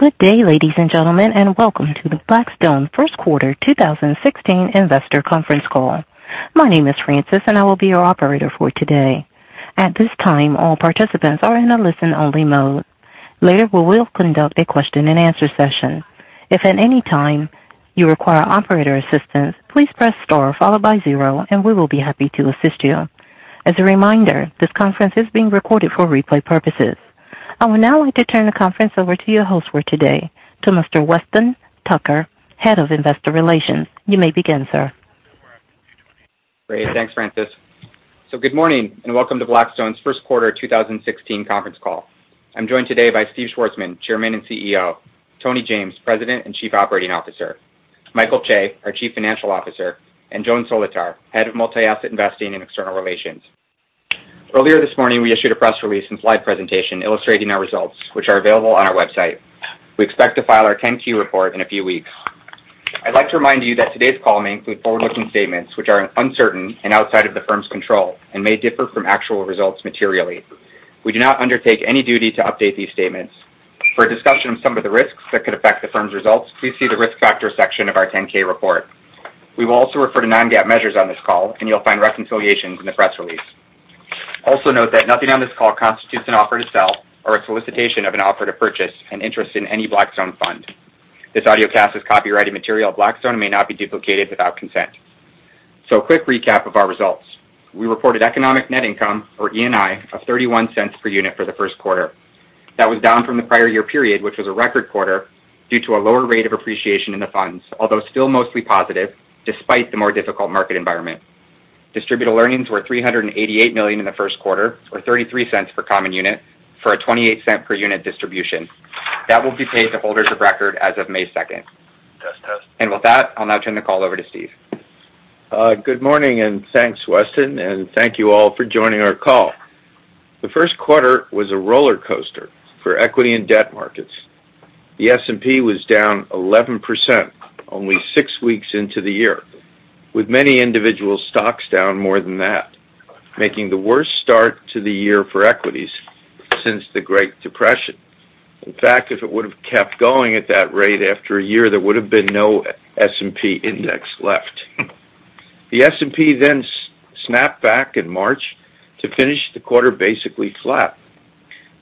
Good day, ladies and gentlemen, and welcome to the Blackstone First Quarter 2016 Investor Conference Call. My name is Frances, and I will be your operator for today. At this time, all participants are in a listen-only mode. Later, we will conduct a question and answer session. If at any time you require operator assistance, please press star followed by zero, and we will be happy to assist you. As a reminder, this conference is being recorded for replay purposes. I would now like to turn the conference over to your host for today, to Mr. Weston Tucker, Head of Investor Relations. You may begin, sir. Great. Thanks, Frances. Good morning, and welcome to Blackstone's first quarter 2016 conference call. I'm joined today by Steve Schwarzman, Chairman and CEO, Tony James, President and Chief Operating Officer, Michael Chae, our Chief Financial Officer, and Joan Solotar, Head of Multi-Asset Investing and External Relations. Earlier this morning, we issued a press release and slide presentation illustrating our results, which are available on our website. We expect to file our 10-Q report in a few weeks. I'd like to remind you that today's call may include forward-looking statements which are uncertain and outside of the firm's control and may differ from actual results materially. We do not undertake any duty to update these statements. For a discussion of some of the risks that could affect the firm's results, please see the risk factors section of our 10-K report. We will also refer to non-GAAP measures on this call, and you'll find reconciliations in the press release. Also note that nothing on this call constitutes an offer to sell or a solicitation of an offer to purchase an interest in any Blackstone fund. This audiocast is copyrighted material of Blackstone and may not be duplicated without consent. A quick recap of our results. We reported economic net income, or ENI, of $0.31 per unit for the first quarter. That was down from the prior year period, which was a record quarter, due to a lower rate of appreciation in the funds, although still mostly positive despite the more difficult market environment. Distributable earnings were $388 million in the first quarter, or $0.33 per common unit for a $0.28 per unit distribution. That will be paid to holders of record as of May 2nd. With that, I'll now turn the call over to Steve. Good morning, thanks, Weston, and thank you all for joining our call. The first quarter was a roller coaster for equity and debt markets. The S&P was down 11% only six weeks into the year, with many individual stocks down more than that, making the worst start to the year for equities since the Great Depression. In fact, if it would have kept going at that rate, after a year, there would've been no S&P index left. The S&P snapped back in March to finish the quarter basically flat.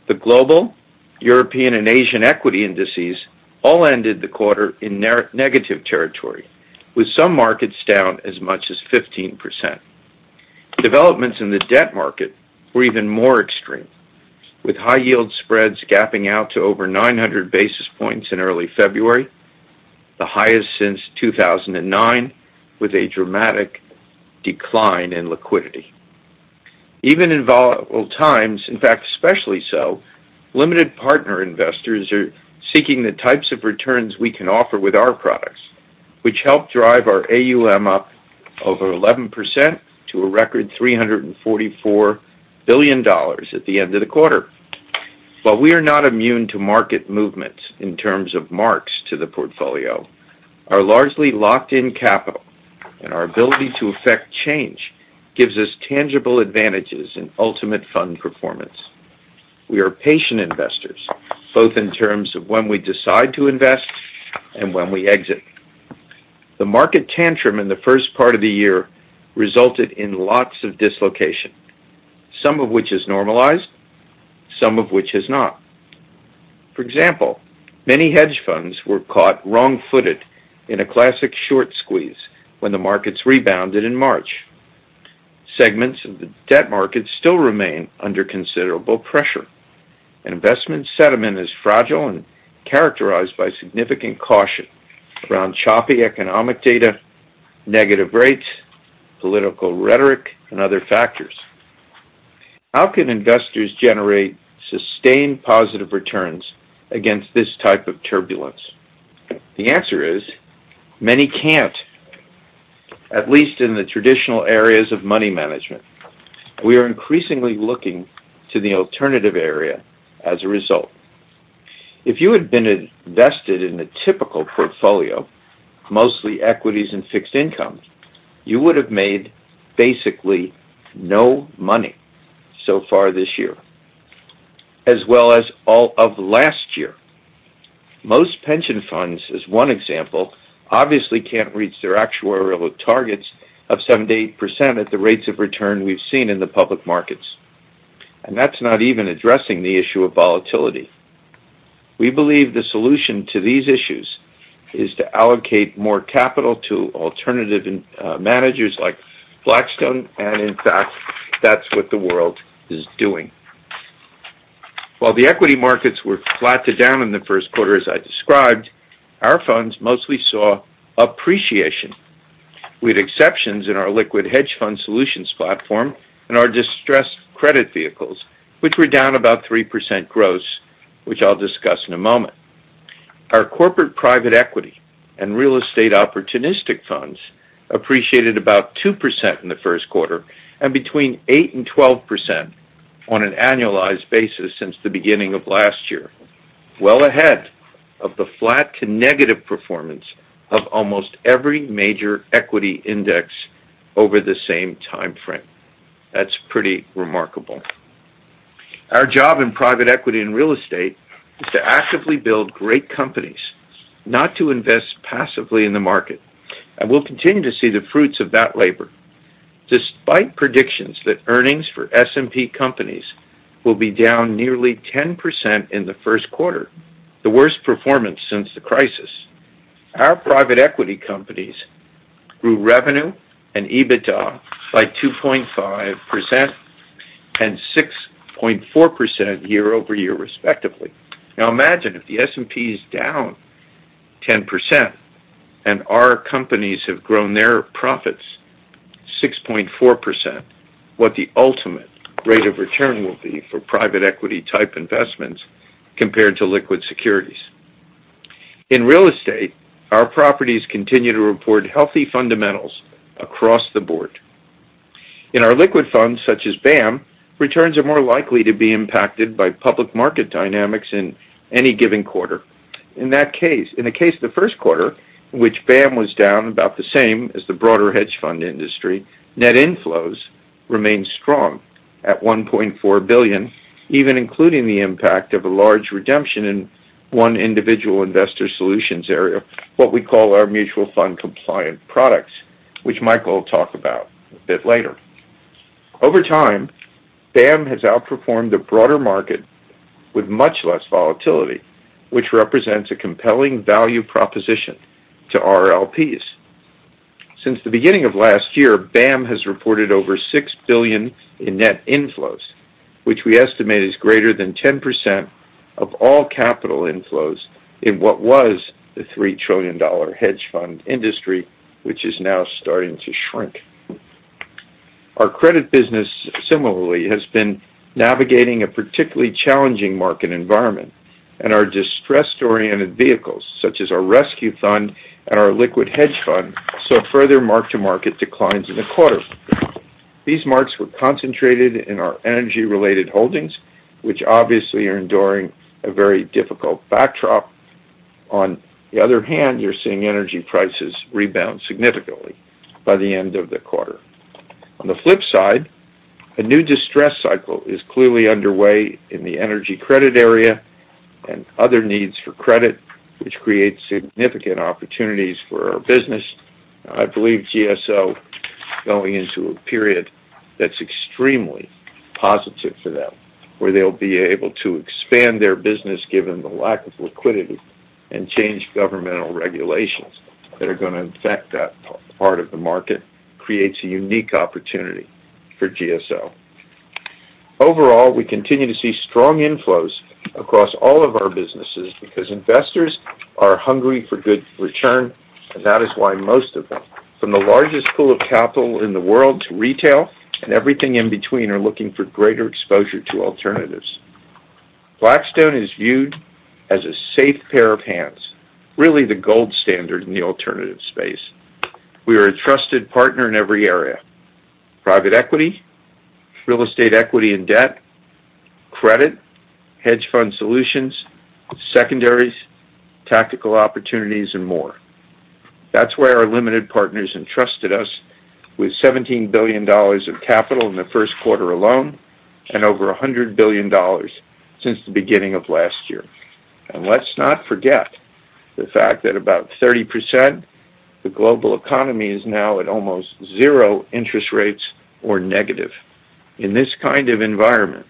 The global, European, and Asian equity indices all ended the quarter in negative territory, with some markets down as much as 15%. Developments in the debt market were even more extreme, with high yield spreads gapping out to over 900 basis points in early February, the highest since 2009, with a dramatic decline in liquidity. Even in volatile times, in fact, especially so, limited partner investors are seeking the types of returns we can offer with our products, which help drive our AUM up over 11% to a record $344 billion at the end of the quarter. While we are not immune to market movements in terms of marks to the portfolio, our largely locked-in capital and our ability to effect change gives us tangible advantages in ultimate fund performance. We are patient investors, both in terms of when we decide to invest and when we exit. The market tantrum in the first part of the year resulted in lots of dislocation, some of which has normalized, some of which has not. For example, many hedge funds were caught wrong-footed in a classic short squeeze when the markets rebounded in March. Segments of the debt market still remain under considerable pressure. Investment sentiment is fragile and characterized by significant caution around choppy economic data, negative rates, political rhetoric, and other factors. How can investors generate sustained positive returns against this type of turbulence? The answer is many can't, at least in the traditional areas of money management. We are increasingly looking to the alternative area as a result. If you had been invested in a typical portfolio, mostly equities and fixed income, you would have made basically no money so far this year, as well as all of last year. Most pension funds, as one example, obviously can't reach their actuarial targets of 7%-8% at the rates of return we've seen in the public markets, and that's not even addressing the issue of volatility. We believe the solution to these issues is to allocate more capital to alternative managers like Blackstone. In fact, that's what the world is doing. While the equity markets were flat to down in the first quarter, as I described, our funds mostly saw appreciation, with exceptions in our liquid hedge fund solutions platform and our distressed credit vehicles, which were down about 3% gross, which I'll discuss in a moment. Our corporate private equity and real estate opportunistic funds appreciated about 2% in the first quarter and between 8% and 12% on an annualized basis since the beginning of last year. The flat to negative performance of almost every major equity index over the same timeframe. That's pretty remarkable. Our job in private equity and real estate is to actively build great companies, not to invest passively in the market, and we'll continue to see the fruits of that labor. Despite predictions that earnings for S&P companies will be down nearly 10% in the first quarter, the worst performance since the crisis, our private equity companies grew revenue and EBITDA by 2.5% and 6.4% year-over-year, respectively. Imagine if the S&P is down 10% and our companies have grown their profits 6.4%, what the ultimate rate of return will be for private equity type investments compared to liquid securities. In real estate, our properties continue to report healthy fundamentals across the board. In our liquid funds such as BAAM, returns are more likely to be impacted by public market dynamics in any given quarter. In the case of the first quarter, BAAM was down about the same as the broader hedge fund industry, net inflows remained strong at $1.4 billion, even including the impact of a large redemption in one individual investor solutions area, what we call our mutual fund compliant products, which Michael will talk about a bit later. Over time, BAAM has outperformed the broader market with much less volatility, which represents a compelling value proposition to our LPs. Since the beginning of last year, BAAM has reported over $6 billion in net inflows, which we estimate is greater than 10% of all capital inflows in what was the $3 trillion hedge fund industry, which is now starting to shrink. Our credit business similarly has been navigating a particularly challenging market environment, our distressed-oriented vehicles, such as our rescue fund and our liquid hedge fund, saw further mark-to-market declines in the quarter. These marks were concentrated in our energy-related holdings, which obviously are enduring a very difficult backdrop. You're seeing energy prices rebound significantly by the end of the quarter. A new distress cycle is clearly underway in the energy credit area and other needs for credit, which creates significant opportunities for our business. I believe GSO going into a period that's extremely positive for them, where they'll be able to expand their business given the lack of liquidity and change governmental regulations that are going to affect that part of the market creates a unique opportunity for GSO. Overall, we continue to see strong inflows across all of our businesses because investors are hungry for good return, and that is why most of them, from the largest pool of capital in the world to retail and everything in between, are looking for greater exposure to alternatives. Blackstone is viewed as a safe pair of hands, really the gold standard in the alternative space. We are a trusted partner in every area: private equity, real estate equity and debt, credit, hedge fund solutions, secondaries, Tactical Opportunities, and more. That's why our limited partners entrusted us with $17 billion of capital in the first quarter alone and over $100 billion since the beginning of last year. Let's not forget the fact that about 30%, the global economy is now at almost zero interest rates or negative. In this kind of environment,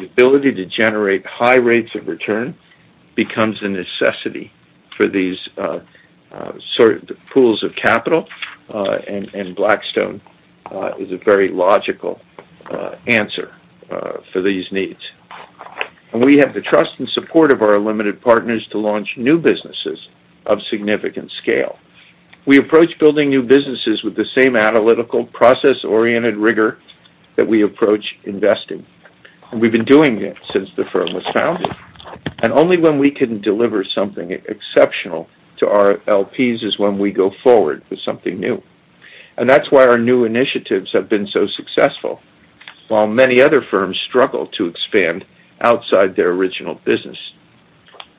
the ability to generate high rates of return becomes a necessity for these pools of capital, and Blackstone is a very logical answer for these needs. We have the trust and support of our limited partners to launch new businesses of significant scale. We approach building new businesses with the same analytical, process-oriented rigor that we approach investing. We've been doing it since the firm was founded. Only when we can deliver something exceptional to our LPs is when we go forward with something new. That's why our new initiatives have been so successful, while many other firms struggle to expand outside their original business.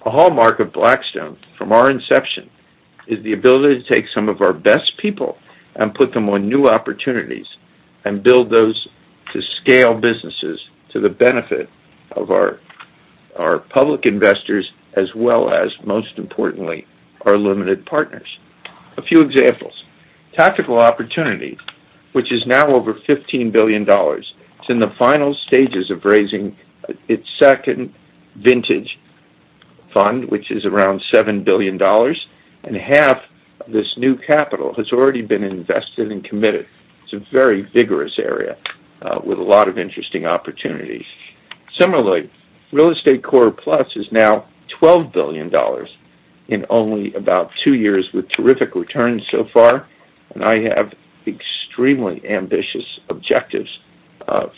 A hallmark of Blackstone from our inception is the ability to take some of our best people and put them on new opportunities and build those to scale businesses to the benefit of our public investors as well as, most importantly, our limited partners. A few examples. Tactical Opportunities, which is now over $15 billion, is in the final stages of raising its second vintage fund, which is around $7 billion, and half of this new capital has already been invested and committed. It's a very vigorous area with a lot of interesting opportunities. Similarly, Real Estate Core Plus is now $12 billion in only about two years with terrific returns so far, and I have extremely ambitious objectives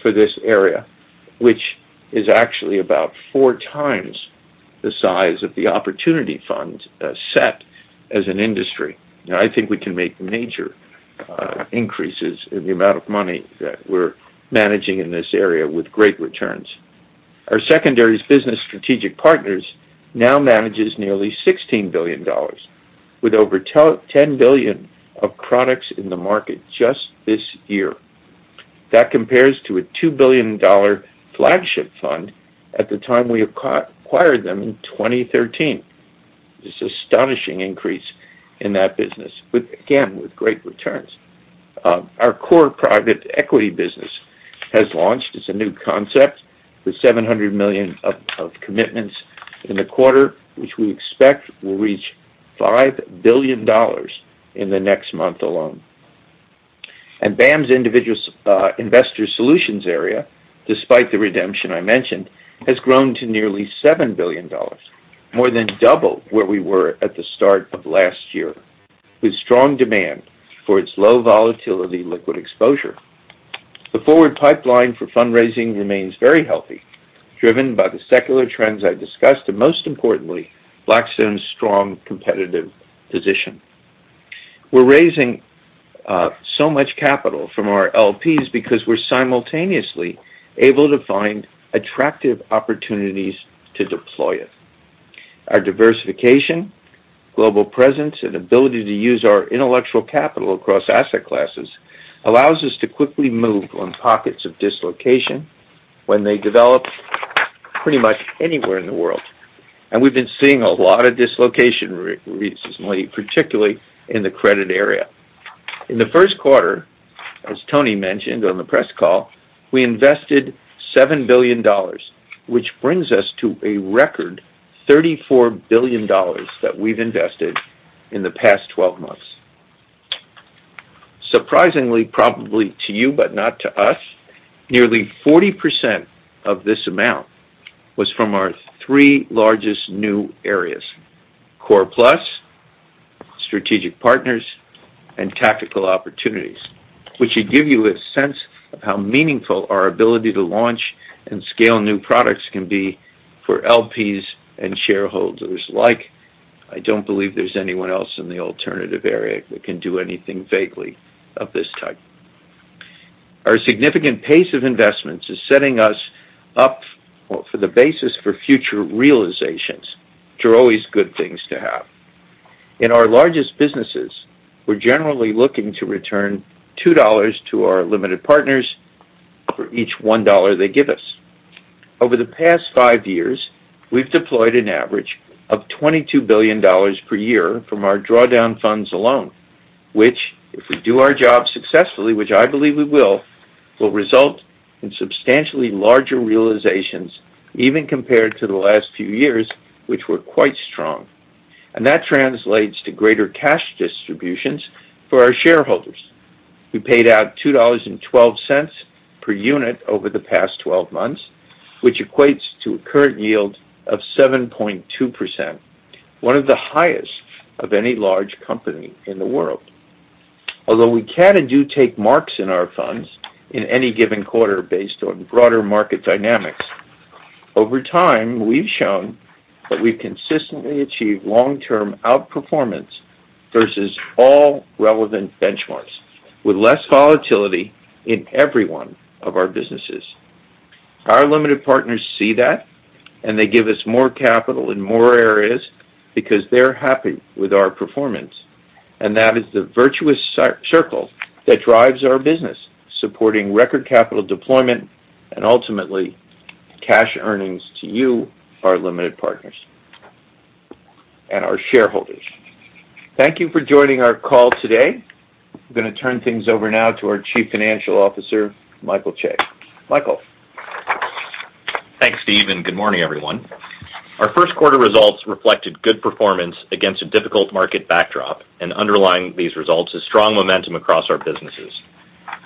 for this area, which is actually about four times the size of the opportunity fund set as an industry. I think we can make major increases in the amount of money that we're managing in this area with great returns. Our secondaries business Strategic Partners now manages nearly $16 billion, with over $10 billion of products in the market just this year. That compares to a $2 billion flagship fund at the time we acquired them in 2013. This astonishing increase in that business with, again, with great returns. Our Core Private Equity business has launched as a new concept with $700 million of commitments in the quarter, which we expect will reach $5 billion in the next month alone. BAAM's Investor Solutions area, despite the redemption I mentioned, has grown to nearly $7 billion, more than double where we were at the start of last year, with strong demand for its low volatility liquid exposure. The forward pipeline for fundraising remains very healthy, driven by the secular trends I discussed, and most importantly, Blackstone's strong competitive position. We're raising so much capital from our LPs because we're simultaneously able to find attractive opportunities to deploy it. Our diversification, global presence, and ability to use our intellectual capital across asset classes allows us to quickly move on pockets of dislocation when they develop pretty much anywhere in the world, and we've been seeing a lot of dislocation recently, particularly in the credit area. In the first quarter, as Tony mentioned on the press call, we invested $7 billion, which brings us to a record $34 billion that we've invested in the past 12 months. Surprisingly, probably to you, but not to us, nearly 40% of this amount was from our three largest new areas, Core Plus, Strategic Partners, and Tactical Opportunities, which should give you a sense of how meaningful our ability to launch and scale new products can be for LPs and shareholders alike. I don't believe there's anyone else in the alternative area that can do anything vaguely of this type. Our significant pace of investments is setting us up for the basis for future realizations, which are always good things to have. In our largest businesses, we're generally looking to return $2 to our limited partners for each $1 they give us. Over the past five years, we've deployed an average of $22 billion per year from our drawdown funds alone, which, if we do our job successfully, which I believe we will result in substantially larger realizations, even compared to the last few years, which were quite strong. That translates to greater cash distributions for our shareholders, who paid out $2.12 per unit over the past 12 months, which equates to a current yield of 7.2%, one of the highest of any large company in the world. Although we can and do take marks in our funds in any given quarter based on broader market dynamics, over time, we've shown that we consistently achieve long-term outperformance versus all relevant benchmarks with less volatility in every one of our businesses. Our limited partners see that. They give us more capital in more areas because they're happy with our performance. That is the virtuous circle that drives our business, supporting record capital deployment and ultimately cash earnings to you, our limited partners and our shareholders. Thank you for joining our call today. I'm going to turn things over now to our Chief Financial Officer, Michael Chae. Michael? Thanks, Steve. Good morning, everyone. Our first quarter results reflected good performance against a difficult market backdrop. Underlying these results is strong momentum across our businesses.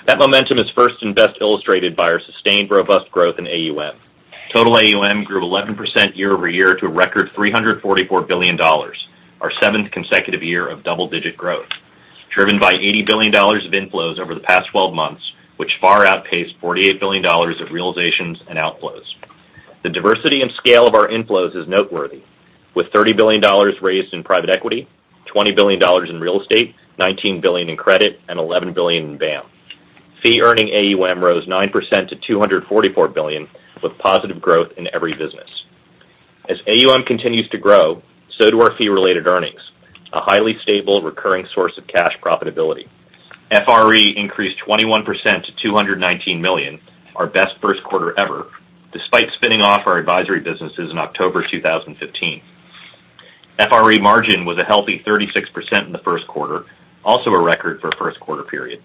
That momentum is first and best illustrated by our sustained robust growth in AUM. Total AUM grew 11% year-over-year to a record $344 billion, our seventh consecutive year of double-digit growth, driven by $80 billion of inflows over the past 12 months, which far outpaced $48 billion of realizations and outflows. The diversity and scale of our inflows is noteworthy, with $30 billion raised in private equity, $20 billion in real estate, $19 billion in credit, and $11 billion in BAAM. Fee earning AUM rose 9% to $244 billion, with positive growth in every business. As AUM continues to grow, so do our fee-related earnings, a highly stable recurring source of cash profitability. FRE increased 21% to $219 million, our best first quarter ever, despite spinning off our advisory businesses in October 2015. FRE margin was a healthy 36% in the first quarter, also a record for a first quarter period.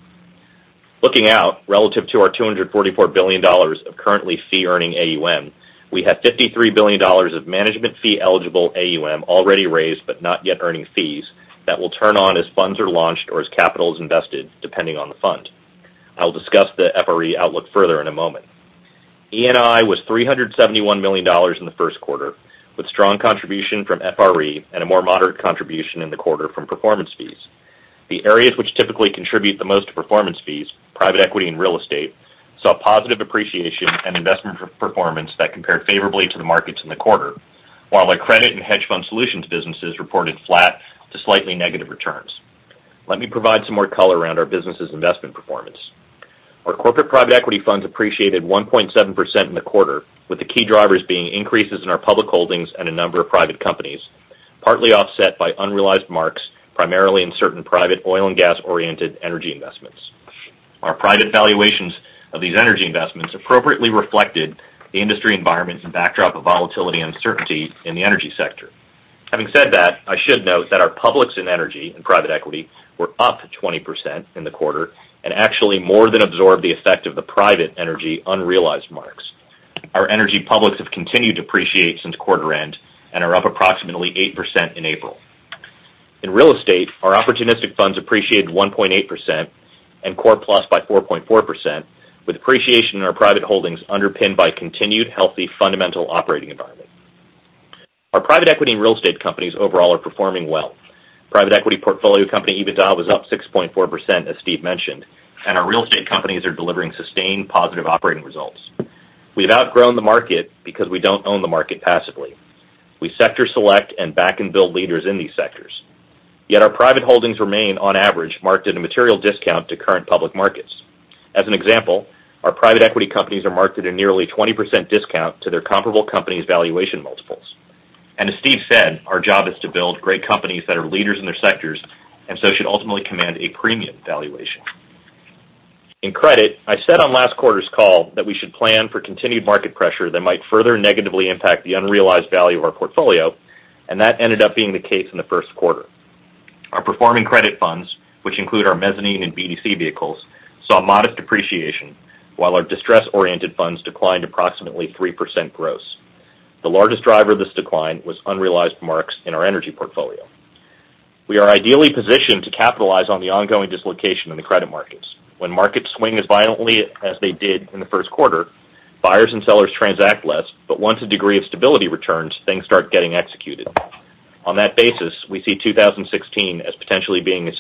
Looking out, relative to our $244 billion of currently fee-earning AUM, we have $53 billion of management fee eligible AUM already raised, but not yet earning fees that will turn on as funds are launched or as capital is invested, depending on the fund. I'll discuss the FRE outlook further in a moment. ENI was $371 million in the first quarter, with strong contribution from FRE and a more moderate contribution in the quarter from performance fees. The areas which typically contribute the most to performance fees, private equity, and real estate, saw positive appreciation and investment performance that compared favorably to the markets in the quarter. While our credit and hedge fund solutions businesses reported flat to slightly negative returns. Let me provide some more color around our business' investment performance. Our corporate private equity funds appreciated 1.7% in the quarter, with the key drivers being increases in our public holdings and a number of private companies, partly offset by unrealized marks, primarily in certain private oil and gas-oriented energy investments. Our private valuations of these energy investments appropriately reflected the industry environment and backdrop of volatility and uncertainty in the energy sector. Having said that, I should note that our publics in energy and private equity were up 20% in the quarter and actually more than absorbed the effect of the private energy unrealized marks. Our energy publics have continued to appreciate since quarter end and are up approximately 8% in April. In real estate, our opportunistic funds appreciated 1.8% and Core Plus by 4.4%, with appreciation in our private holdings underpinned by continued healthy fundamental operating environment. Our private equity and real estate companies overall are performing well. Private equity portfolio company, EBITDA, was up 6.4%, as Steve mentioned, and our real estate companies are delivering sustained positive operating results. We've outgrown the market because we don't own the market passively. We sector select and back and build leaders in these sectors. Yet our private holdings remain, on average, marked at a material discount to current public markets. As an example, our private equity companies are marked at a nearly 20% discount to their comparable companies' valuation multiples. As Steve said, our job is to build great companies that are leaders in their sectors and so should ultimately command a premium valuation. In credit, I said on last quarter's call that we should plan for continued market pressure that might further negatively impact the unrealized value of our portfolio, and that ended up being the case in the first quarter. Our performing credit funds, which include our mezzanine and BDC vehicles, saw modest depreciation while our distress-oriented funds declined approximately 3% gross. The largest driver of this decline was unrealized marks in our energy portfolio. We are ideally positioned to capitalize on the ongoing dislocation in the credit markets. When markets swing as violently as they did in the first quarter, buyers and sellers transact less, but once a degree of stability returns, things start getting executed. On that basis, we see 2016 as potentially being a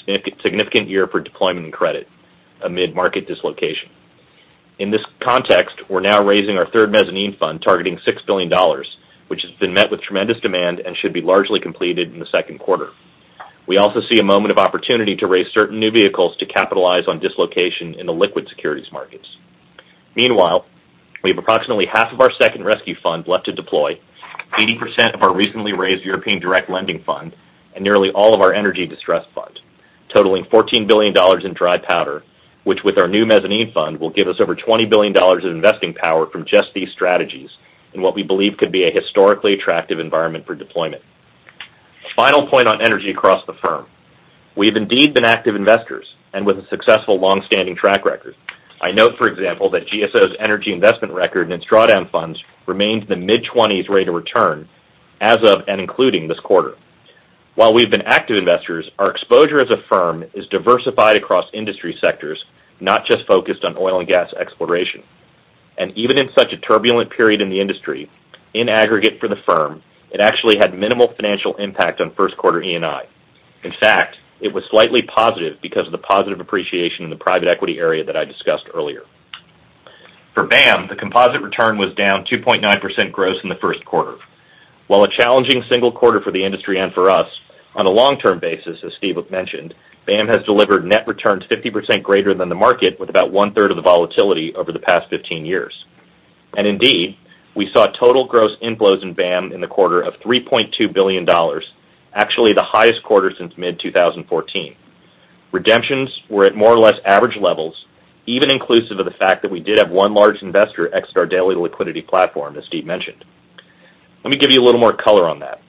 significant year for deployment and credit amid market dislocation. In this context, we're now raising our third mezzanine fund targeting $6 billion, which has been met with tremendous demand and should be largely completed in the second quarter. We also see a moment of opportunity to raise certain new vehicles to capitalize on dislocation in the liquid securities markets. Meanwhile, we have approximately half of our second rescue fund left to deploy, 80% of our recently raised European direct lending fund, and nearly all of our energy distressed fund, totaling $14 billion in dry powder, which with our new mezzanine fund, will give us over $20 billion in investing power from just these strategies in what we believe could be a historically attractive environment for deployment. A final point on energy across the firm. We have indeed been active investors and with a successful long-standing track record. I note, for example, that GSO's energy investment record in its drawdown funds remains the mid-20s rate of return as of and including this quarter. While we've been active investors, our exposure as a firm is diversified across industry sectors, not just focused on oil and gas exploration. Even in such a turbulent period in the industry, in aggregate for the firm, it actually had minimal financial impact on first quarter ENI. In fact, it was slightly positive because of the positive appreciation in the private equity area that I discussed earlier. For BAAM, the composite return was down 2.9% gross in the first quarter. While a challenging single quarter for the industry and for us, on a long-term basis, as Steve mentioned, BAAM has delivered net returns 50% greater than the market with about one-third of the volatility over the past 15 years. Indeed, we saw total gross inflows in BAAM in the quarter of $3.2 billion, actually the highest quarter since mid-2014. Redemptions were at more or less average levels, even inclusive of the fact that we did have one large investor exit our daily liquidity platform, as Steve mentioned. Let me give you a little more color on that.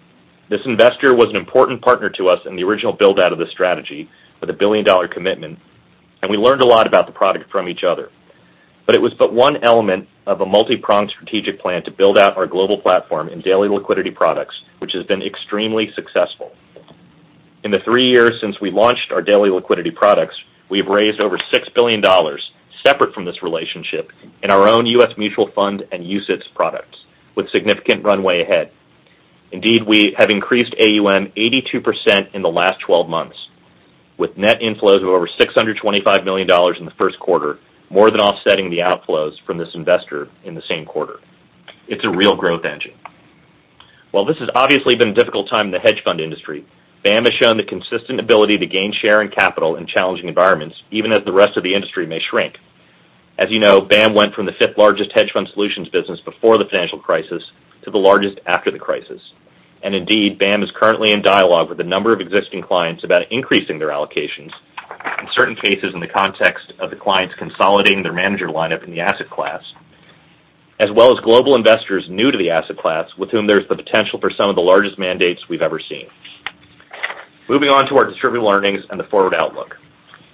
This investor was an important partner to us in the original build-out of the strategy with a billion-dollar commitment, and we learned a lot about the product from each other. It was but one element of a multi-pronged strategic plan to build out our global platform in daily liquidity products, which has been extremely successful. In the three years since we launched our daily liquidity products, we have raised over $6 billion separate from this relationship in our own U.S. mutual fund and UCITS products with significant runway ahead. Indeed, we have increased AUM 82% in the last 12 months, with net inflows of over $625 million in the first quarter, more than offsetting the outflows from this investor in the same quarter. It's a real growth engine. While this has obviously been a difficult time in the hedge fund industry, BAAM has shown the consistent ability to gain share and capital in challenging environments, even as the rest of the industry may shrink. As you know, BAAM went from the fifth largest hedge fund solutions business before the financial crisis to the largest after the crisis. Indeed, BAAM is currently in dialogue with a number of existing clients about increasing their allocations, in certain cases, in the context of the clients consolidating their manager lineup in the asset class, as well as global investors new to the asset class with whom there's the potential for some of the largest mandates we've ever seen. Moving on to our distributable earnings and the forward outlook.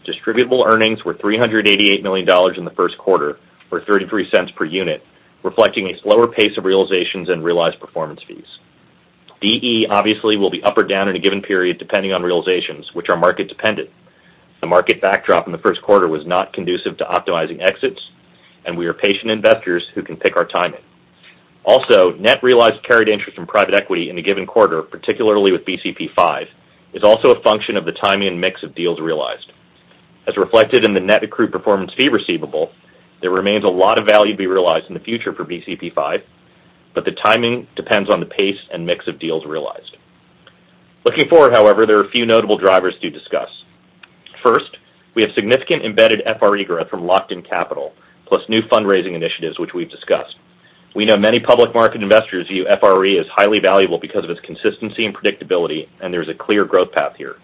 Distributable earnings were $388 million in the first quarter or $0.33 per unit, reflecting a slower pace of realizations and realized performance fees. DE obviously will be up or down in a given period depending on realizations, which are market dependent. The market backdrop in the first quarter was not conducive to optimizing exits, we are patient investors who can pick our timing. Net realized carried interest from private equity in a given quarter, particularly with BCP V, is also a function of the timing and mix of deals realized. As reflected in the net accrued performance fee receivable, there remains a lot of value to be realized in the future for BCP V, but the timing depends on the pace and mix of deals realized. Looking forward, however, there are a few notable drivers to discuss. First, we have significant embedded FRE growth from locked-in capital, plus new fundraising initiatives which we've discussed. We know many public market investors view FRE as highly valuable because of its consistency and predictability, there's a clear growth path here.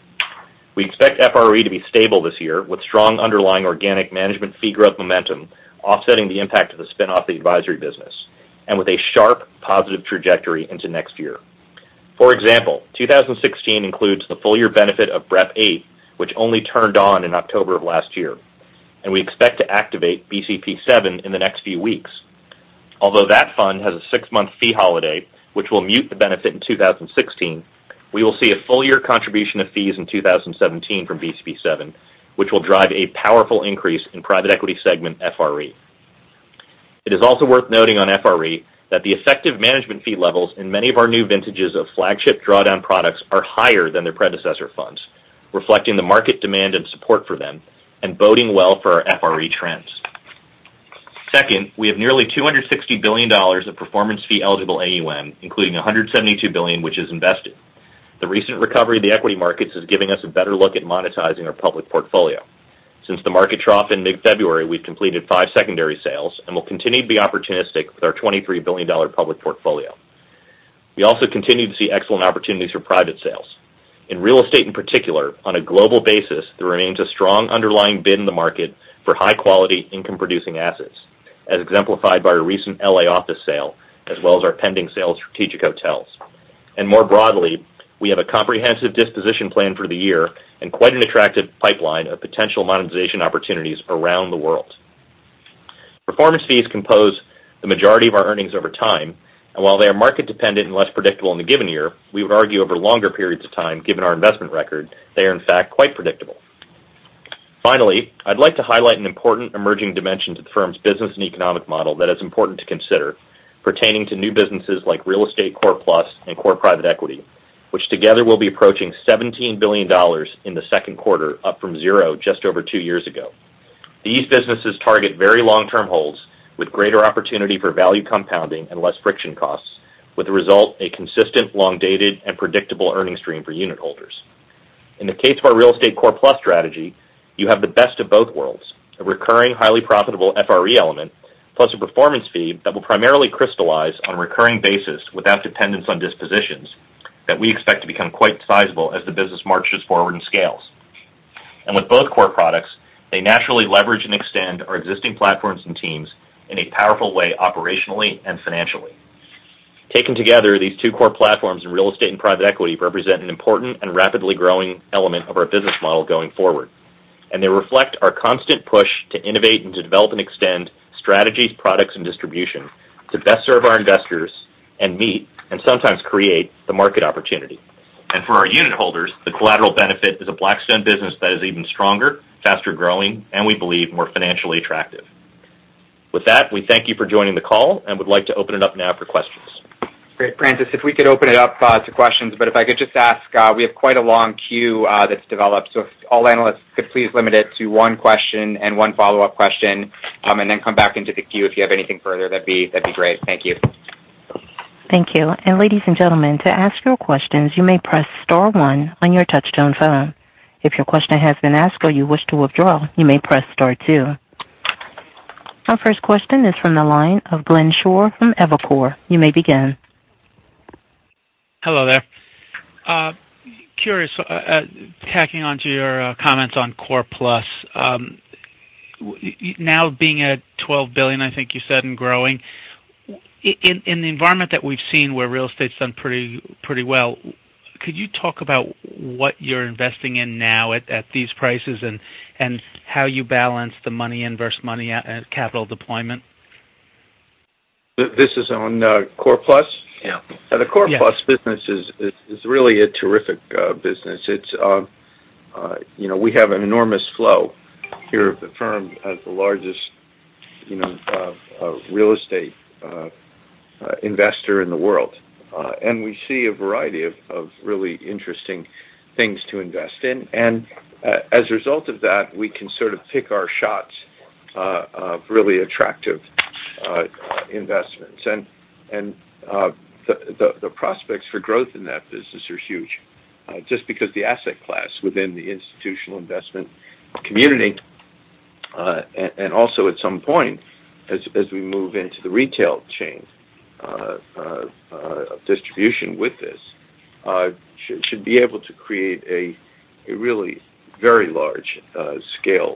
We expect FRE to be stable this year with strong underlying organic management fee growth momentum offsetting the impact of the spin-off of the advisory business, with a sharp positive trajectory into next year. For example, 2016 includes the full year benefit of BREP VIII, which only turned on in October of last year. We expect to activate BCP VII in the next few weeks. Although that fund has a six-month fee holiday, which will mute the benefit in 2016, we will see a full year contribution of fees in 2017 from BCP VII, which will drive a powerful increase in private equity segment FRE. It is also worth noting on FRE that the effective management fee levels in many of our new vintages of flagship drawdown products are higher than their predecessor funds, reflecting the market demand and support for them, boding well for our FRE trends. Second, we have nearly $260 billion of performance fee eligible AUM, including $172 billion, which is invested. The recent recovery of the equity markets is giving us a better look at monetizing our public portfolio. Since the market trough in mid-February, we've completed five secondary sales and will continue to be opportunistic with our $23 billion public portfolio. We also continue to see excellent opportunities for private sales. In real estate, in particular, on a global basis, there remains a strong underlying bid in the market for high-quality income-producing assets, as exemplified by our recent L.A. office sale, as well as our pending sale of Strategic Hotels. More broadly, we have a comprehensive disposition plan for the year and quite an attractive pipeline of potential monetization opportunities around the world. Performance fees compose the majority of our earnings over time, and while they are market-dependent and less predictable in a given year, we would argue over longer periods of time, given our investment record, they are in fact quite predictable. Finally, I'd like to highlight an important emerging dimension to the firm's business and economic model that is important to consider pertaining to new businesses like Real Estate Core Plus and Core Private Equity, which together will be approaching $17 billion in the second quarter, up from zero just over two years ago. These businesses target very long-term holds with greater opportunity for value compounding and less friction costs, with the result a consistent, long-dated, and predictable earnings stream for unitholders. In the case of our Real Estate Core Plus strategy, you have the best of both worlds, a recurring, highly profitable FRE element, plus a performance fee that will primarily crystallize on a recurring basis without dependence on dispositions that we expect to become quite sizable as the business marches forward and scales. With both core products, they naturally leverage and extend our existing platforms and teams in a powerful way, operationally and financially. Taken together, these two core platforms in real estate and private equity represent an important and rapidly growing element of our business model going forward. They reflect our constant push to innovate and to develop and extend strategies, products, and distribution to best serve our investors and meet and sometimes create the market opportunity. For our unitholders, the collateral benefit is a Blackstone business that is even stronger, faster-growing, and we believe, more financially attractive. With that, we thank you for joining the call and would like to open it up now for questions. Great. Frances, if we could open it up to questions, but if I could just ask, we have quite a long queue that's developed, so if all analysts could please limit it to one question and one follow-up question, and then come back into the queue if you have anything further, that'd be great. Thank you. Thank you. Ladies and gentlemen, to ask your questions, you may press star one on your touchtone phone. If your question has been asked or you wish to withdraw, you may press star two. Our first question is from the line of Glenn Schorr from Evercore. You may begin. Hello there. Curious, tacking onto your comments on Core Plus. Now being at $12 billion, I think you said, and growing. In the environment that we've seen where real estate's done pretty well, could you talk about what you're investing in now at these prices and how you balance the money in versus money out as capital deployment? This is on Core Plus? Yeah. The Core Plus business is really a terrific business. We have an enormous flow here at the firm as the largest real estate investor in the world. We see a variety of really interesting things to invest in. As a result of that, we can sort of pick our shots of really attractive investments. The prospects for growth in that business are huge. Just because the asset class within the institutional investment community, and also at some point as we move into the retail chain of distribution with this, should be able to create a really very large scale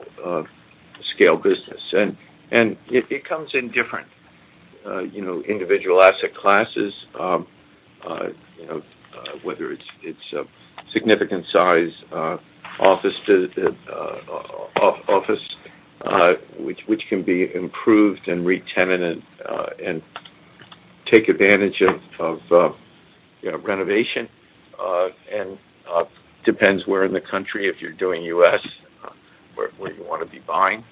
business. It comes in different individual asset classes, whether it's a significant size office which can be improved and re-tenanted, and take advantage of renovation, and depends where in the country, if you're doing U.S., where you want to be buying.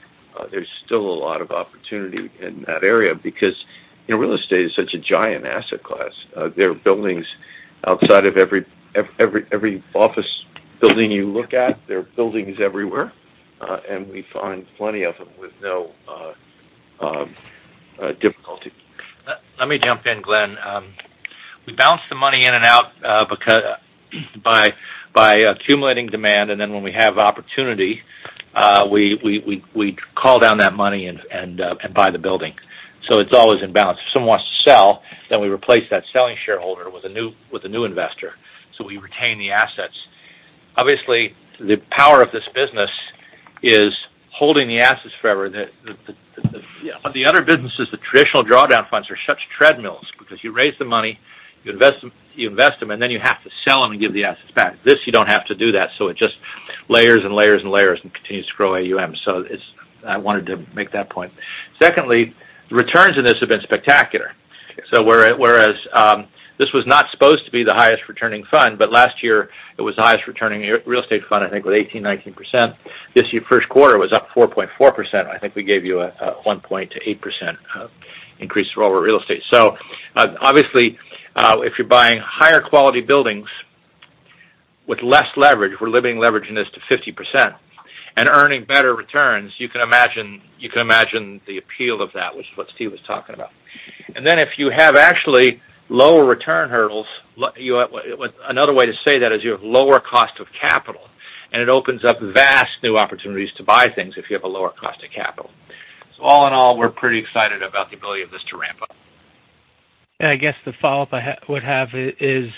There's still a lot of opportunity in that area because real estate is such a giant asset class. There are buildings outside of every office building you look at. There are buildings everywhere, and we find plenty of them with no difficulty. Let me jump in, Glenn. We bounce the money in and out by accumulating demand, and then when we have opportunity, we call down that money and buy the building. It's always in balance. If someone wants to sell, we replace that selling shareholder with a new investor. We retain the assets. Obviously, the power of this business is holding the assets forever. The other businesses, the traditional drawdown funds are such treadmills because you raise the money, you invest them, and then you have to sell them and give the assets back. This, you don't have to do that. It just layers and layers and continues to grow AUM. I wanted to make that point. Secondly, the returns on this have been spectacular. Whereas this was not supposed to be the highest returning fund, last year it was the highest returning real estate fund, I think with 18%, 19%. This year, the first quarter was up 4.4%. I think we gave you a 1.8% increase for all our real estate. Obviously, if you're buying higher quality buildings with less leverage, we're limiting leverage in this to 50%, and earning better returns, you can imagine the appeal of that, which is what Steve was talking about. If you have actually lower return hurdles, another way to say that is you have a lower cost of capital, and it opens up vast new opportunities to buy things if you have a lower cost of capital. All in all, we're pretty excited about the ability of this to ramp up. I guess the follow-up I would have is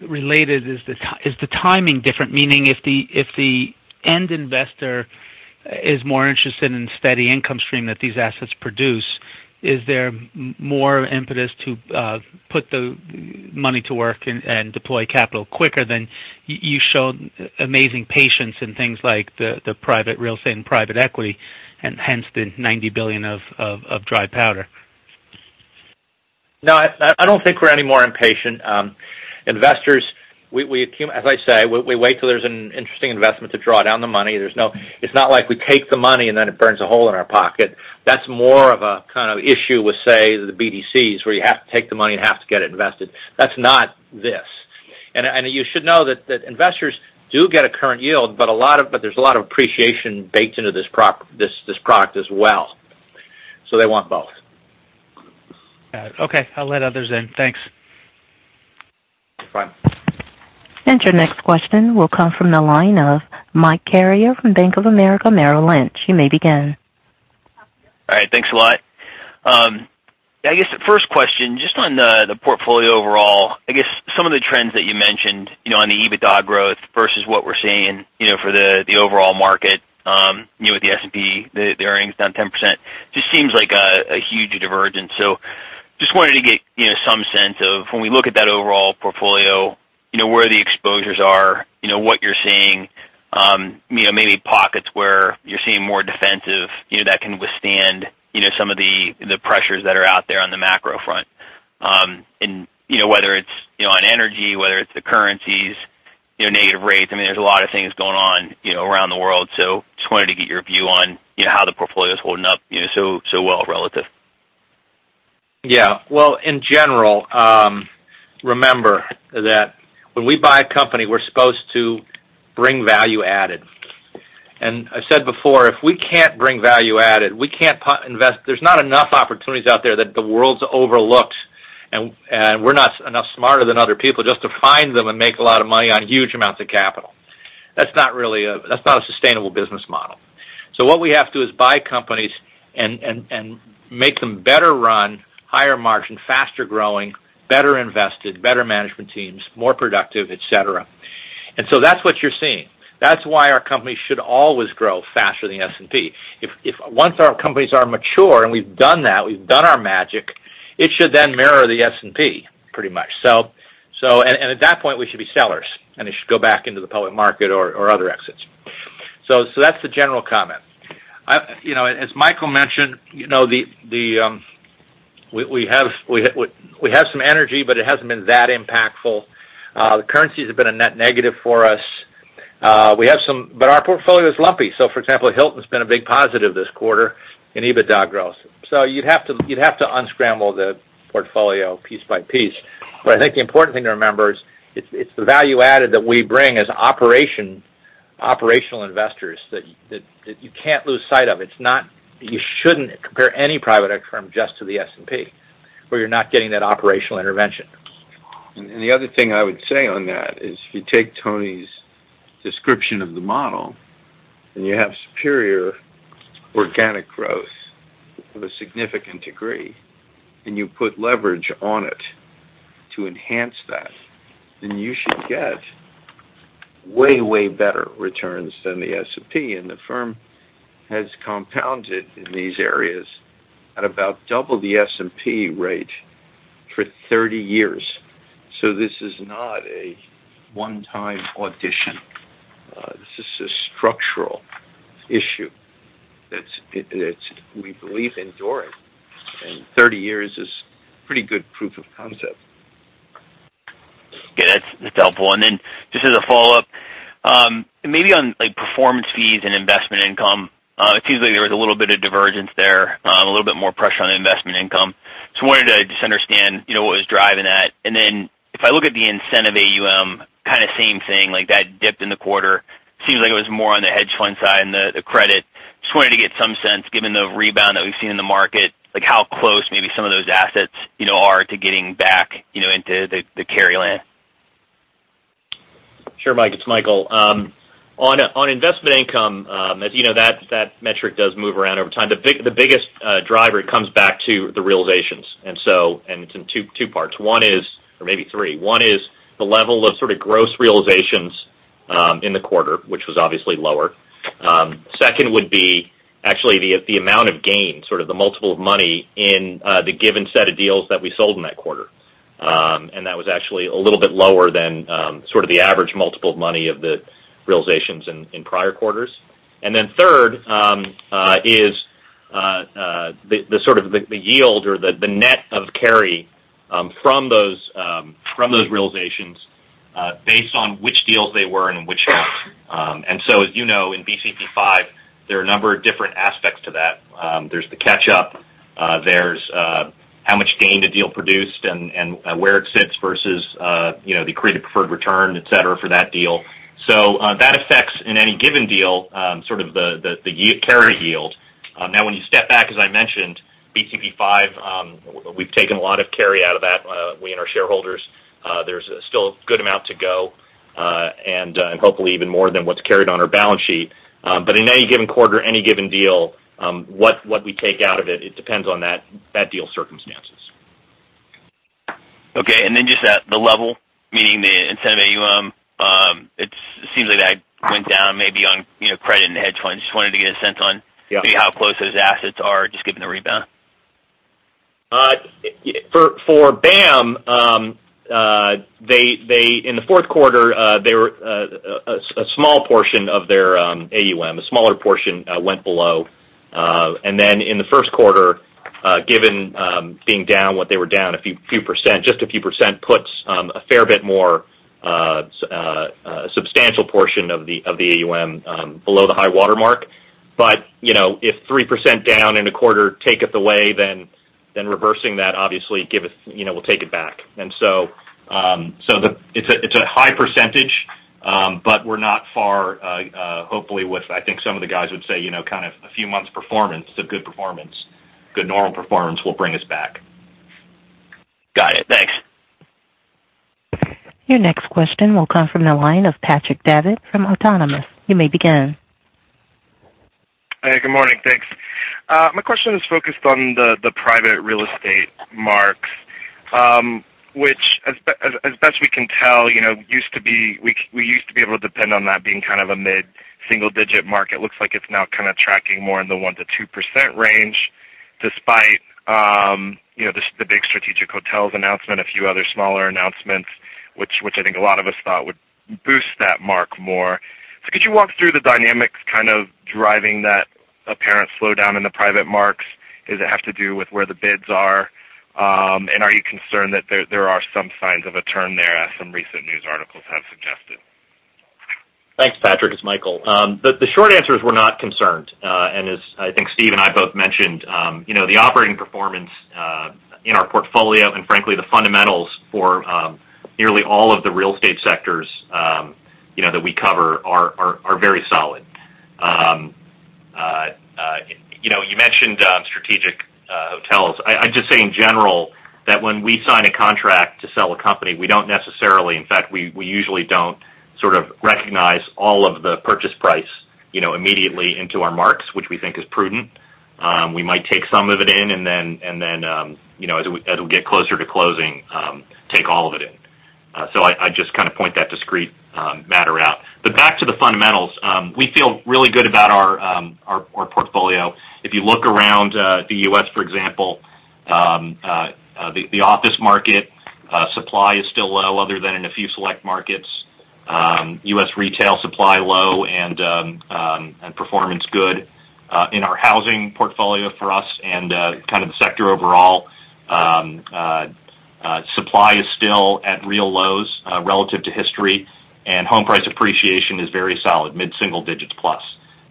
related. Is the timing different? Meaning, if the end investor is more interested in the steady income stream that these assets produce, is there more impetus to put the money to work and deploy capital quicker. You showed amazing patience in things like the private real estate and private equity, and hence, the $90 billion of dry powder. No, I don't think we're any more impatient. Investors, as I say, we wait till there's an interesting investment to draw down the money. It's not like we take the money, then it burns a hole in our pocket. That's more of a kind of issue with, say, the BDCs, where you have to take the money and have to get it invested. That's not this. You should know that investors do get a current yield, but there's a lot of appreciation baked into this product as well. They want both. Got it. Okay. I'll let others in. Thanks. No problem. Your next question will come from the line of Mike Carrier from Bank of America Merrill Lynch. You may begin. All right. Thanks a lot. I guess the first question, just on the portfolio overall. I guess some of the trends that you mentioned on the EBITDA growth versus what we're seeing for the overall market. With the S&P, the earnings down 10%. Seems like a huge divergence. Wanted to get some sense of, when we look at that overall portfolio, where the exposures are, what you're seeing. Maybe pockets where you're seeing more defensive that can withstand some of the pressures that are out there on the macro front. Whether it's on energy, whether it's the currencies, negative rates. I mean, there's a lot of things going on around the world. Wanted to get your view on how the portfolio's holding up so well relative. Yeah. Well, in general, remember that when we buy a company, we're supposed to bring value added. I said before, if we can't bring value added, there's not enough opportunities out there that the world's overlooked, and we're not smarter than other people just to find them and make a lot of money on huge amounts of capital. That's not a sustainable business model. What we have to is buy companies and make them better run, higher margin, faster growing, better invested, better management teams, more productive, et cetera. That's what you're seeing. That's why our company should always grow faster than the S&P. Once our companies are mature, and we've done that, we've done our magic, it should then mirror the S&P pretty much. At that point, we should be sellers, and it should go back into the public market or other exits. That's the general comment. As Michael mentioned, we have some energy, but it hasn't been that impactful. The currencies have been a net negative for us. Our portfolio is lumpy. For example, Hilton's been a big positive this quarter in EBITDA growth. You'd have to unscramble the portfolio piece by piece. I think the important thing to remember is it's the value added that we bring as operational investors that you can't lose sight of. You shouldn't compare any private firm just to the S&P, where you're not getting that operational intervention. The other thing I would say on that is if you take Tony's description of the model, you have superior organic growth of a significant degree, you put leverage on it to enhance that, you should get way better returns than the S&P. The firm has compounded in these areas at about double the S&P rate for 30 years. This is not a one-time audition. This is a structural issue that we believe enduring. 30 years is pretty good proof of concept. That's helpful. Just as a follow-up, maybe on performance fees and investment income, it seems like there was a little bit of divergence there, a little bit more pressure on investment income. I wanted to just understand what was driving that. If I look at the incentive AUM, kind of same thing, that dipped in the quarter. Seems like it was more on the hedge fund side and the credit. Just wanted to get some sense, given the rebound that we've seen in the market, how close maybe some of those assets are to getting back into the carry lane. Sure, Mike, it's Michael. On investment income, as you know, that metric does move around over time. The biggest driver comes back to the realizations. It's in two parts. Or maybe three. One is the level of gross realizations in the quarter, which was obviously lower. Second would be actually the amount of gain, the multiple of money in the given set of deals that we sold in that quarter. That was actually a little bit lower than the average multiple of money of the realizations in prior quarters. Third is the yield or the net of carry from those realizations based on which deals they were and which weren't. As you know, in BCP V, there are a number of different aspects to that. There's the catch-up. There's how much gain a deal produced and where it sits versus the credit preferred return, et cetera, for that deal. That affects, in any given deal, the carry yield. Now, when you step back, as I mentioned, BCP V, we've taken a lot of carry out of that, we and our shareholders. There's still a good amount to go, and hopefully even more than what's carried on our balance sheet. In any given quarter, any given deal, what we take out of it depends on that deal's circumstances. Okay. Just at the level, meaning the incentive AUM, it seems like that went down maybe on credit and the hedge fund. Just wanted to get a sense on- Yeah maybe how close those assets are just given the rebound. For BAAM, in the fourth quarter, a small portion of their AUM, a smaller portion went below. Then in the first quarter, given being down what they were down, just a few percent puts a fair bit more substantial portion of the AUM below the high water mark. If 3% down in a quarter taketh away, then reversing that obviously will take it back. So it's a high percentage, but we're not far, hopefully with, I think some of the guys would say, kind of a few months performance of good performance, good normal performance will bring us back. Got it. Thanks. Your next question will come from the line of Patrick Davitt from Autonomous Research. You may begin. Hey, good morning. Thanks. My question is focused on the private real estate marks, which as best we can tell, we used to be able to depend on that being kind of a mid-single digit mark. It looks like it's now kind of tracking more in the 1%-2% range despite the big Strategic Hotels announcement, a few other smaller announcements, which I think a lot of us thought would boost that mark more. Could you walk through the dynamics kind of driving that apparent slowdown in the private marks? Does it have to do with where the bids are? Are you concerned that there are some signs of a turn there, as some recent news articles have suggested? Thanks, Patrick. It's Michael. The short answer is we're not concerned. As I think Steve and I both mentioned, the operating performance in our portfolio and frankly, the fundamentals for nearly all of the real estate sectors that we cover are very solid. You mentioned Strategic Hotels. I'd just say in general that when we sign a contract to sell a company, we don't necessarily, in fact, we usually don't sort of recognize all of the purchase price immediately into our marks, which we think is prudent. We might take some of it in and then as we get closer to closing, take all of it in. I just kind of point that discrete matter out. Back to the fundamentals, we feel really good about our portfolio. If you look around the U.S., for example, the office market supply is still low other than in a few select markets. U.S. retail supply low and performance good. In our housing portfolio for us and kind of the sector overall, supply is still at real lows relative to history, and home price appreciation is very solid, mid-single digits plus.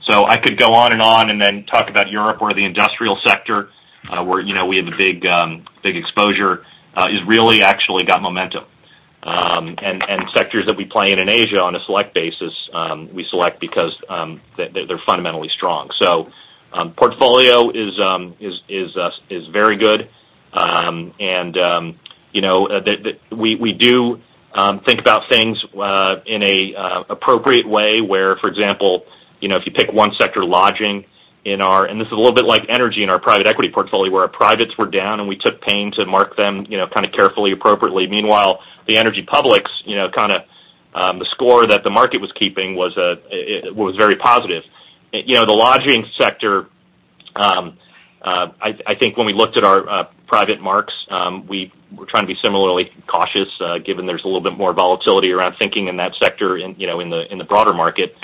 I could go on and on and then talk about Europe or the industrial sector, where we have a big exposure, has really actually got momentum. Sectors that we play in in Asia on a select basis, we select because they're fundamentally strong. Portfolio is very good. We do think about things in an appropriate way where, for example, if you pick one sector, lodging. This is a little bit like energy in our private equity portfolio where our privates were down, and we took pain to mark them kind of carefully, appropriately. Meanwhile, the energy publics kind of the score that the market was keeping was very positive. The lodging sector, I think when we looked at our private marks, we were trying to be similarly cautious given there's a little bit more volatility around thinking in that sector in the broader market.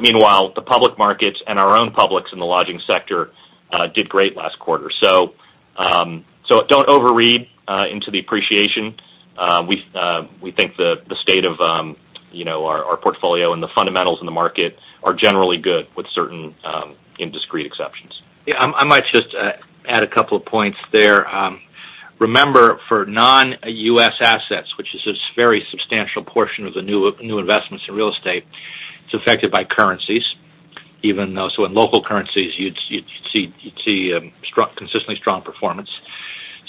Meanwhile, the public markets and our own publics in the lodging sector did great last quarter. Don't overread into the appreciation. We think the state of our portfolio and the fundamentals in the market are generally good with certain discrete exceptions. I might just add a couple of points there. Remember, for non-U.S. assets, which is a very substantial portion of the new investments in real estate, it's affected by currencies. Even though, in local currencies, you'd see consistently strong performance.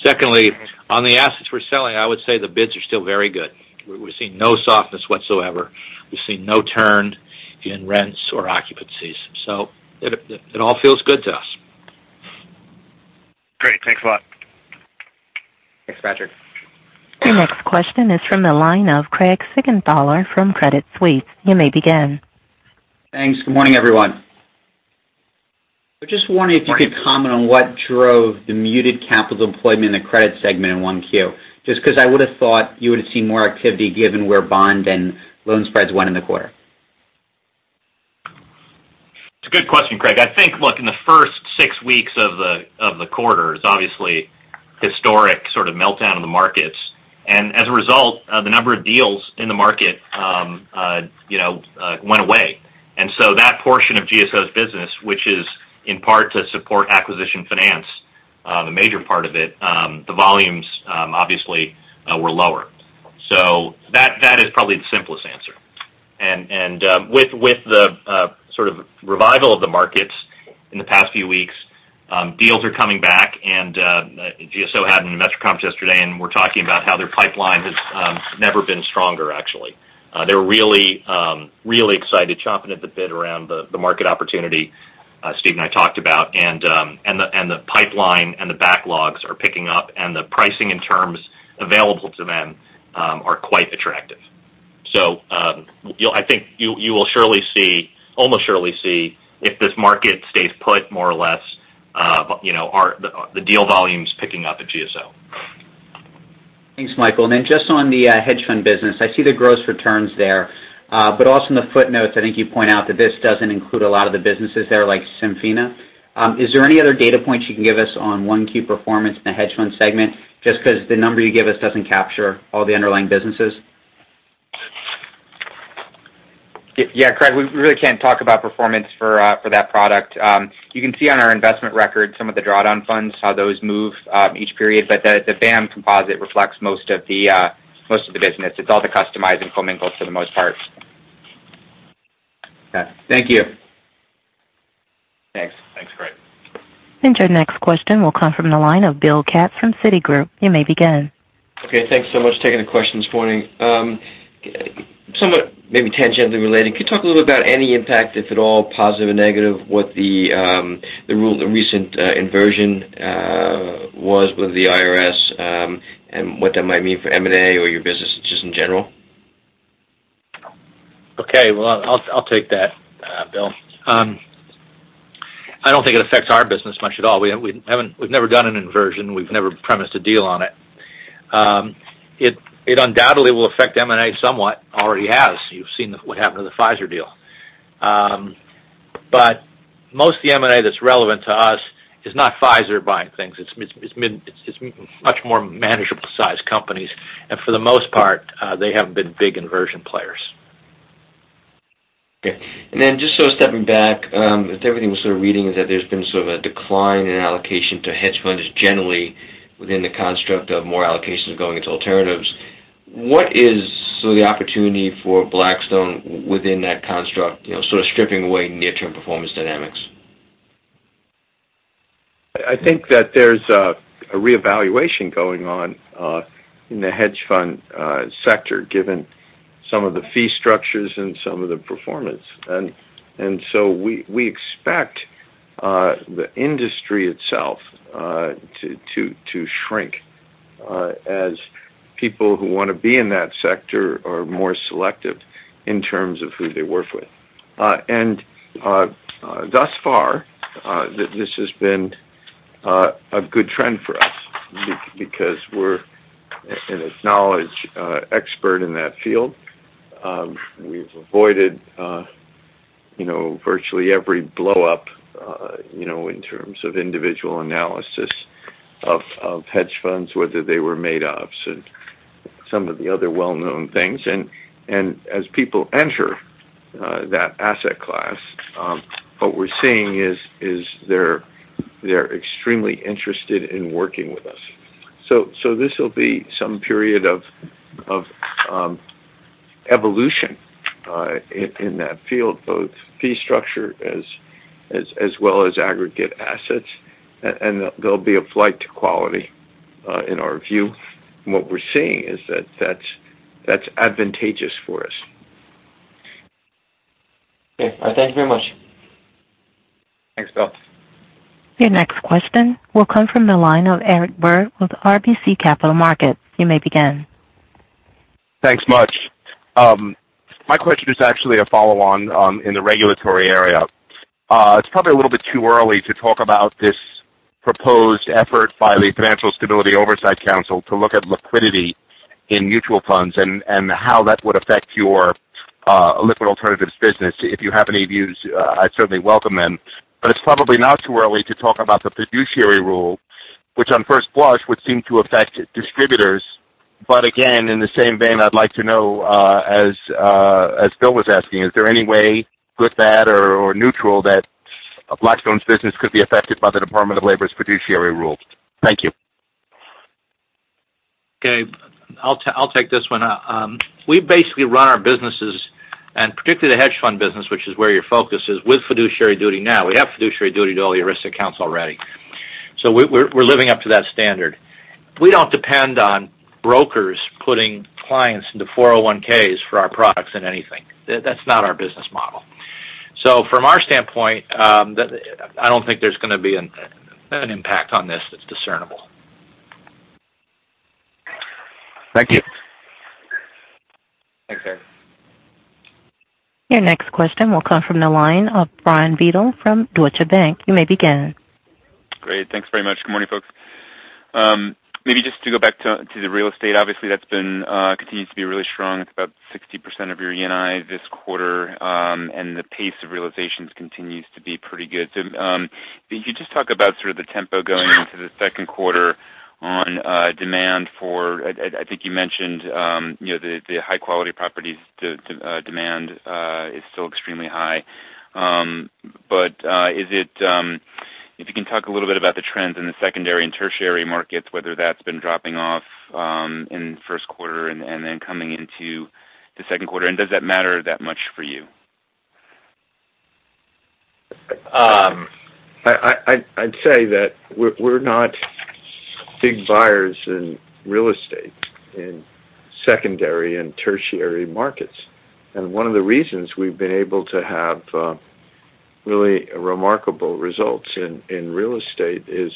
Secondly, on the assets we're selling, I would say the bids are still very good. We're seeing no softness whatsoever. We've seen no turn in rents or occupancies. It all feels good to us. Great. Thanks a lot. Thanks, Patrick. Your next question is from the line of Craig Siegenthaler from Credit Suisse. You may begin. Thanks. Good morning, everyone. I just wondered if you could comment on what drove the muted capital deployment in the credit segment in 1Q, just because I would've thought you would've seen more activity given where bond and loan spreads went in the quarter. It's a good question, Craig. I think, look, in the first six weeks of the quarter, it's obviously historic sort of meltdown in the markets. As a result, the number of deals in the market went away. That portion of GSO's business, which is in part to support acquisition finance, the major part of it, the volumes obviously were lower. That is probably the simplest answer. With the sort of revival of the markets in the past few weeks, deals are coming back, and GSO had an investor conference yesterday, and we're talking about how their pipeline has never been stronger, actually. They're really excited, chomping at the bit around the market opportunity Steve and I talked about. The pipeline and the backlogs are picking up, and the pricing and terms available to them are quite attractive. I think you will almost surely see if this market stays put more or less, the deal volumes picking up at GSO. Thanks, Michael. Just on the hedge fund business, I see the gross returns there. Also in the footnotes, I think you point out that this doesn't include a lot of the businesses there, like Senfina. Is there any other data points you can give us on 1Q performance in the hedge fund segment? Just because the number you give us doesn't capture all the underlying businesses. Yeah, Craig, we really can't talk about performance for that product. You can see on our investment record some of the drawdown funds, how those move each period, but the BAAM composite reflects most of the business. It's all the customized and commingled funds for the most part. Okay. Thank you. Thanks. Thanks, Craig. Your next question will come from the line of William Katz from Citigroup. You may begin. Okay, thanks so much for taking the question this morning. Somewhat maybe tangentially related, could you talk a little bit about any impact, if at all, positive or negative, what the recent inversion was with the IRS, and what that might mean for M&A or your business just in general? Okay. Well, I'll take that, Bill. I don't think it affects our business much at all. We've never done an inversion. We've never premised a deal on it. It undoubtedly will affect M&A somewhat. Already has. You've seen what happened to the Pfizer deal. Most of the M&A that's relevant to us is not Pfizer buying things. It's much more manageable sized companies. For the most part, they haven't been big inversion players. Okay. Just sort of stepping back, if everything was sort of reading that there's been sort of a decline in allocation to hedge funds generally within the construct of more allocations going into alternatives, what is sort of the opportunity for Blackstone within that construct, sort of stripping away near-term performance dynamics? I think that there's a reevaluation going on in the hedge fund sector, given some of the fee structures and some of the performance. We expect the industry itself to shrink as people who want to be in that sector are more selective in terms of who they work with. Thus far, this has been a good trend for us because we're an acknowledged expert in that field. We've avoided virtually every blow-up in terms of individual analysis of hedge funds, whether they were Madoffs and some of the other well-known things. As people enter that asset class, what we're seeing is they're extremely interested in working with us. This'll be some period of evolution in that field, both fee structure as well as aggregate assets. There'll be a flight to quality in our view. What we're seeing is that that's advantageous for us. Okay. All right. Thank you very much. Thanks, Bill. Your next question will come from the line of Eric Burt with RBC Capital Markets. You may begin. Thanks much. My question is actually a follow-on in the regulatory area. It's probably a little bit too early to talk about this proposed effort by the Financial Stability Oversight Council to look at liquidity In mutual funds and how that would affect your liquid alternatives business. If you have any views, I'd certainly welcome them. It's probably not too early to talk about the fiduciary rule, which on first blush, would seem to affect distributors. Again, in the same vein, I'd like to know, as Bill was asking, is there any way, good, bad, or neutral, that Blackstone's business could be affected by the Department of Labor's fiduciary rule? Thank you. Okay. I'll take this one. We basically run our businesses, and particularly the hedge fund business, which is where your focus is, with fiduciary duty now. We have fiduciary duty to all the ERISA accounts already. We're living up to that standard. We don't depend on brokers putting clients into 401(k)s for our products and anything. That's not our business model. From our standpoint, I don't think there's going to be an impact on this that's discernible. Thank you. Thanks, Gary. Your next question will come from the line of Brian Bedell from Deutsche Bank. You may begin. Great. Thanks very much. Good morning, folks. Maybe just to go back to the real estate, obviously, that continues to be really strong. It's about 60% of your ENI this quarter. The pace of realizations continues to be pretty good. If you could just talk about sort of the tempo going into the second quarter on demand. I think you mentioned the high-quality properties demand is still extremely high. If you can talk a little bit about the trends in the secondary and tertiary markets, whether that's been dropping off in first quarter, coming into the second quarter, does that matter that much for you? I'd say that we're not big buyers in real estate in secondary and tertiary markets. One of the reasons we've been able to have really remarkable results in real estate is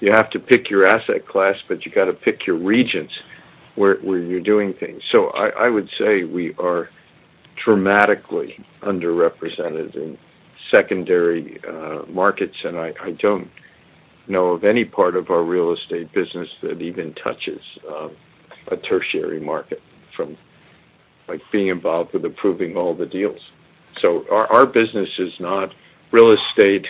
you have to pick your asset class, but you got to pick your regions where you're doing things. I would say we are dramatically underrepresented in secondary markets. I don't know of any part of our real estate business that even touches a tertiary market from being involved with approving all the deals. Our business is not real estate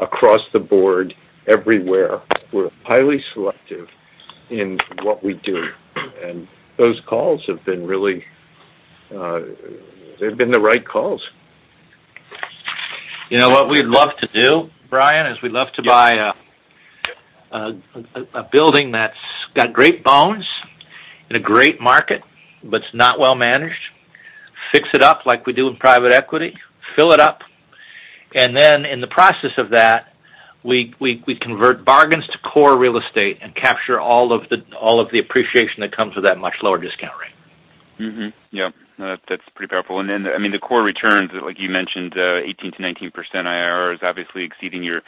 across the board everywhere. We're highly selective in what we do. Those calls have been the right calls. You know what we'd love to do, Brian? Is we'd love to buy a building that's got great bones in a great market, but it's not well-managed. Fix it up like we do in private equity, fill it up, and then in the process of that, we convert bargains to core real estate and capture all of the appreciation that comes with that much lower discount rate. Mm-hmm. Yep. No, that's pretty powerful. Then, the core returns, like you mentioned, 18%-19% IRR is obviously exceeding your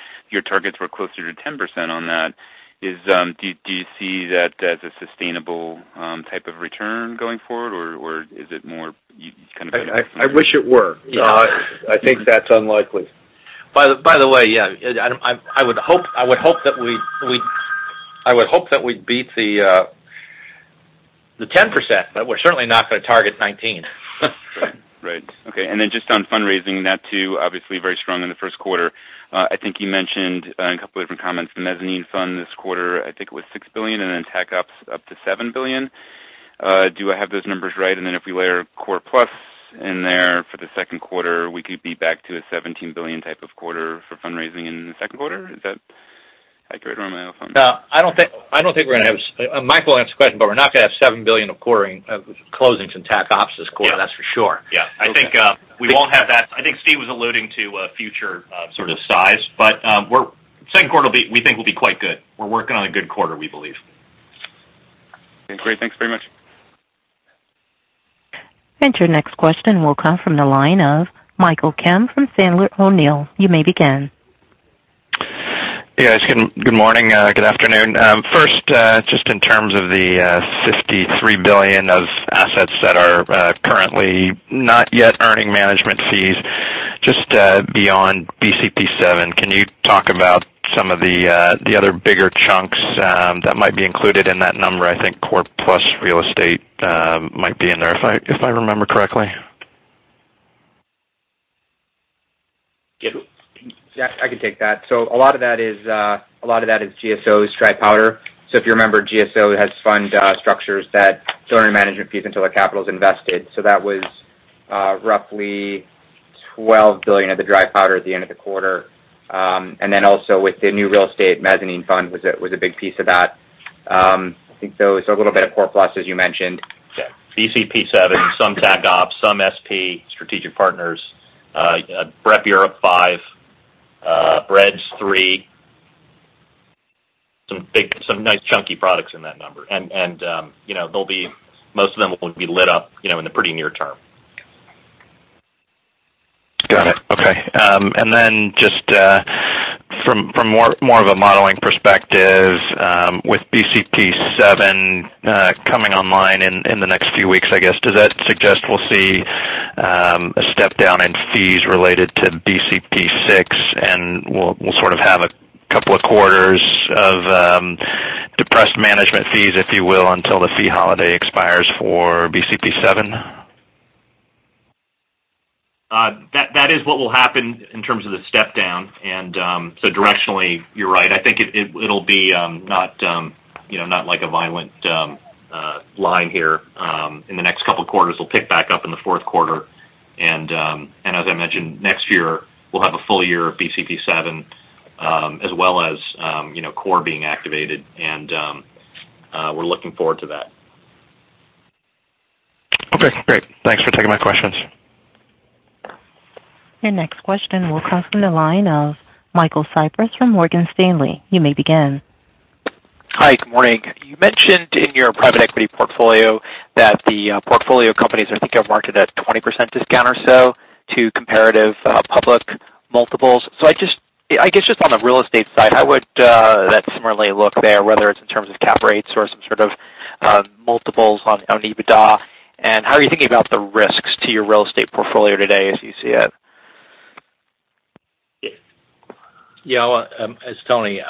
targets were closer to 10% on that. Do you see that as a sustainable type of return going forward, or is it more you kind of- I wish it were. I think that's unlikely. By the way, yeah. I would hope that we'd beat the 10%, but we're certainly not going to target 19. Right. Okay. Just on fundraising, that too, obviously very strong in the first quarter. I think you mentioned in a couple of different comments, the mezzanine fund this quarter, I think it was $6 billion, then TAC ops up to $7 billion. Do I have those numbers right? If we layer Core Plus in there for the second quarter, we could be back to a $17 billion type of quarter for fundraising in the second quarter. Is that accurate or am I off on that? No, I don't think we're going to have Michael can answer the question, but we're not going to have $7 billion of closings in TAC ops this quarter, that's for sure. Yeah. I think we won't have that. I think Steve was alluding to a future sort of size, but second quarter we think will be quite good. We're working on a good quarter, we believe. Okay, great. Thanks very much. Your next question will come from the line of Michael Piper from Sandler O'Neill. You may begin. Yes. Good morning. Good afternoon. First, just in terms of the $53 billion of assets that are currently not yet earning management fees, just beyond BCP VII, can you talk about some of the other bigger chunks that might be included in that number? I think Real Estate Core Plus might be in there if I remember correctly. Yeah, I can take that. A lot of that is GSO's dry powder. If you remember, GSO has fund structures that don't earn management fees until a capital's invested. That was roughly $12 billion of the dry powder at the end of the quarter. Then also with the new Blackstone Real Estate Debt Strategies III was a big piece of that. I think there was a little bit of Core Plus, as you mentioned. Yeah. BCP VII, some Tactical Opportunities, some SP, Strategic Partners, BREP Europe V, REDS III. Some nice chunky products in that number. Most of them will be lit up in the pretty near term. Got it. Okay. Then just from more of a modeling perspective, with BCP VII coming online in the next few weeks, I guess, does that step down in fees related to BCP VI, and we'll have a couple of quarters of depressed management fees, if you will, until the fee holiday expires for BCP VII? That is what will happen in terms of the step down. So directionally, you're right. I think it'll be not like a violent line here in the next couple of quarters. We'll pick back up in the fourth quarter. As I mentioned, next year we'll have a full year of BCP VII, as well as Core being activated. We're looking forward to that. Okay, great. Thanks for taking my questions. Your next question will come from the line of Michael Cyprys from Morgan Stanley. You may begin. Hi. Good morning. You mentioned in your private equity portfolio that the portfolio companies, I think, have marketed at 20% discount or so to comparative public multiples. I guess just on the real estate side, how would that similarly look there, whether it's in terms of cap rates or some sort of multiples on EBITDA? How are you thinking about the risks to your real estate portfolio today as you see it? Yeah. Well, it's Tony.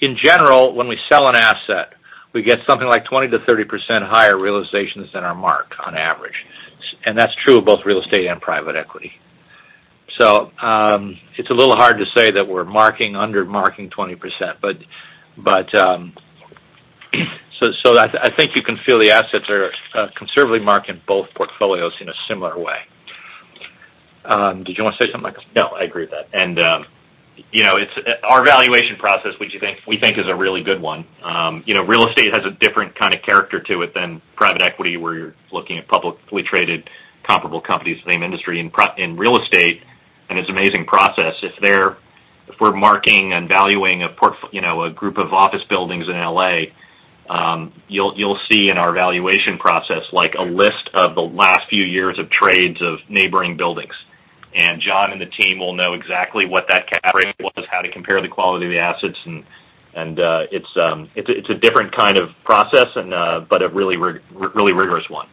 In general, when we sell an asset, we get something like 20%-30% higher realizations than our mark on average. That's true of both real estate and private equity. It's a little hard to say that we're marking under marking 20%. I think you can feel the assets are conservatively marked in both portfolios in a similar way. Did you want to say something, Michael? No, I agree with that. Our valuation process, which we think is a really good one. Real estate has a different kind of character to it than private equity, where you're looking at publicly traded comparable companies, same industry. In real estate, it's an amazing process. If we're marking and valuing a group of office buildings in L.A., you'll see in our valuation process, like a list of the last few years of trades of neighboring buildings. John and the team will know exactly what that cap rate was, how to compare the quality of the assets, it's a different kind of process, but a really rigorous one.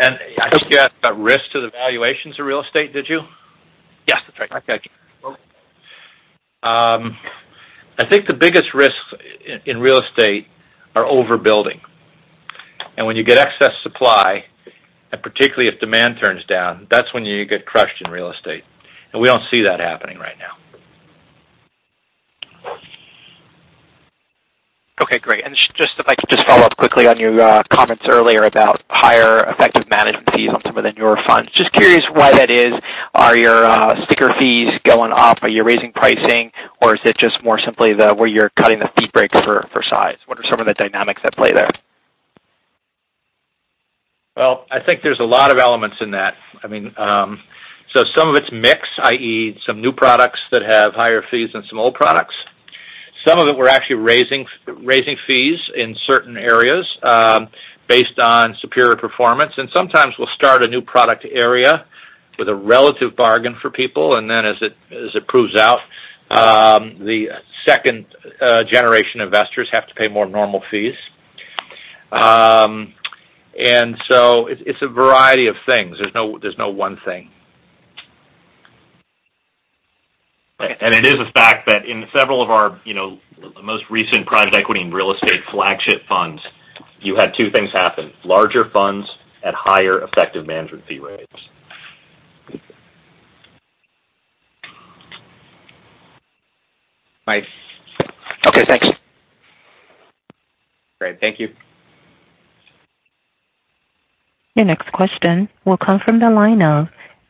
I think you asked about risk to the valuations of real estate, did you? Yes, that's right. Okay. I think the biggest risks in real estate are overbuilding. When you get excess supply, and particularly if demand turns down, that's when you get crushed in real estate. We don't see that happening right now. Okay, great. If I could just follow up quickly on your comments earlier about higher effective management fees on some of the newer funds. Just curious why that is. Are your sticker fees going up? Are you raising pricing? Is it just more simply where you're cutting the fee breaks for size? What are some of the dynamics at play there? Well, I think there's a lot of elements in that. Some of it's mix, i.e., some new products that have higher fees than some old products. Some of it we're actually raising fees in certain areas based on superior performance. Sometimes we'll start a new product area with a relative bargain for people. Then as it proves out, the second-generation investors have to pay more normal fees. It's a variety of things. There's no one thing. It is a fact that in several of our most recent private equity and real estate flagship funds, you had two things happen, larger funds at higher effective management fee rates. Okay, thanks. Great. Thank you. Your next question will come from the line of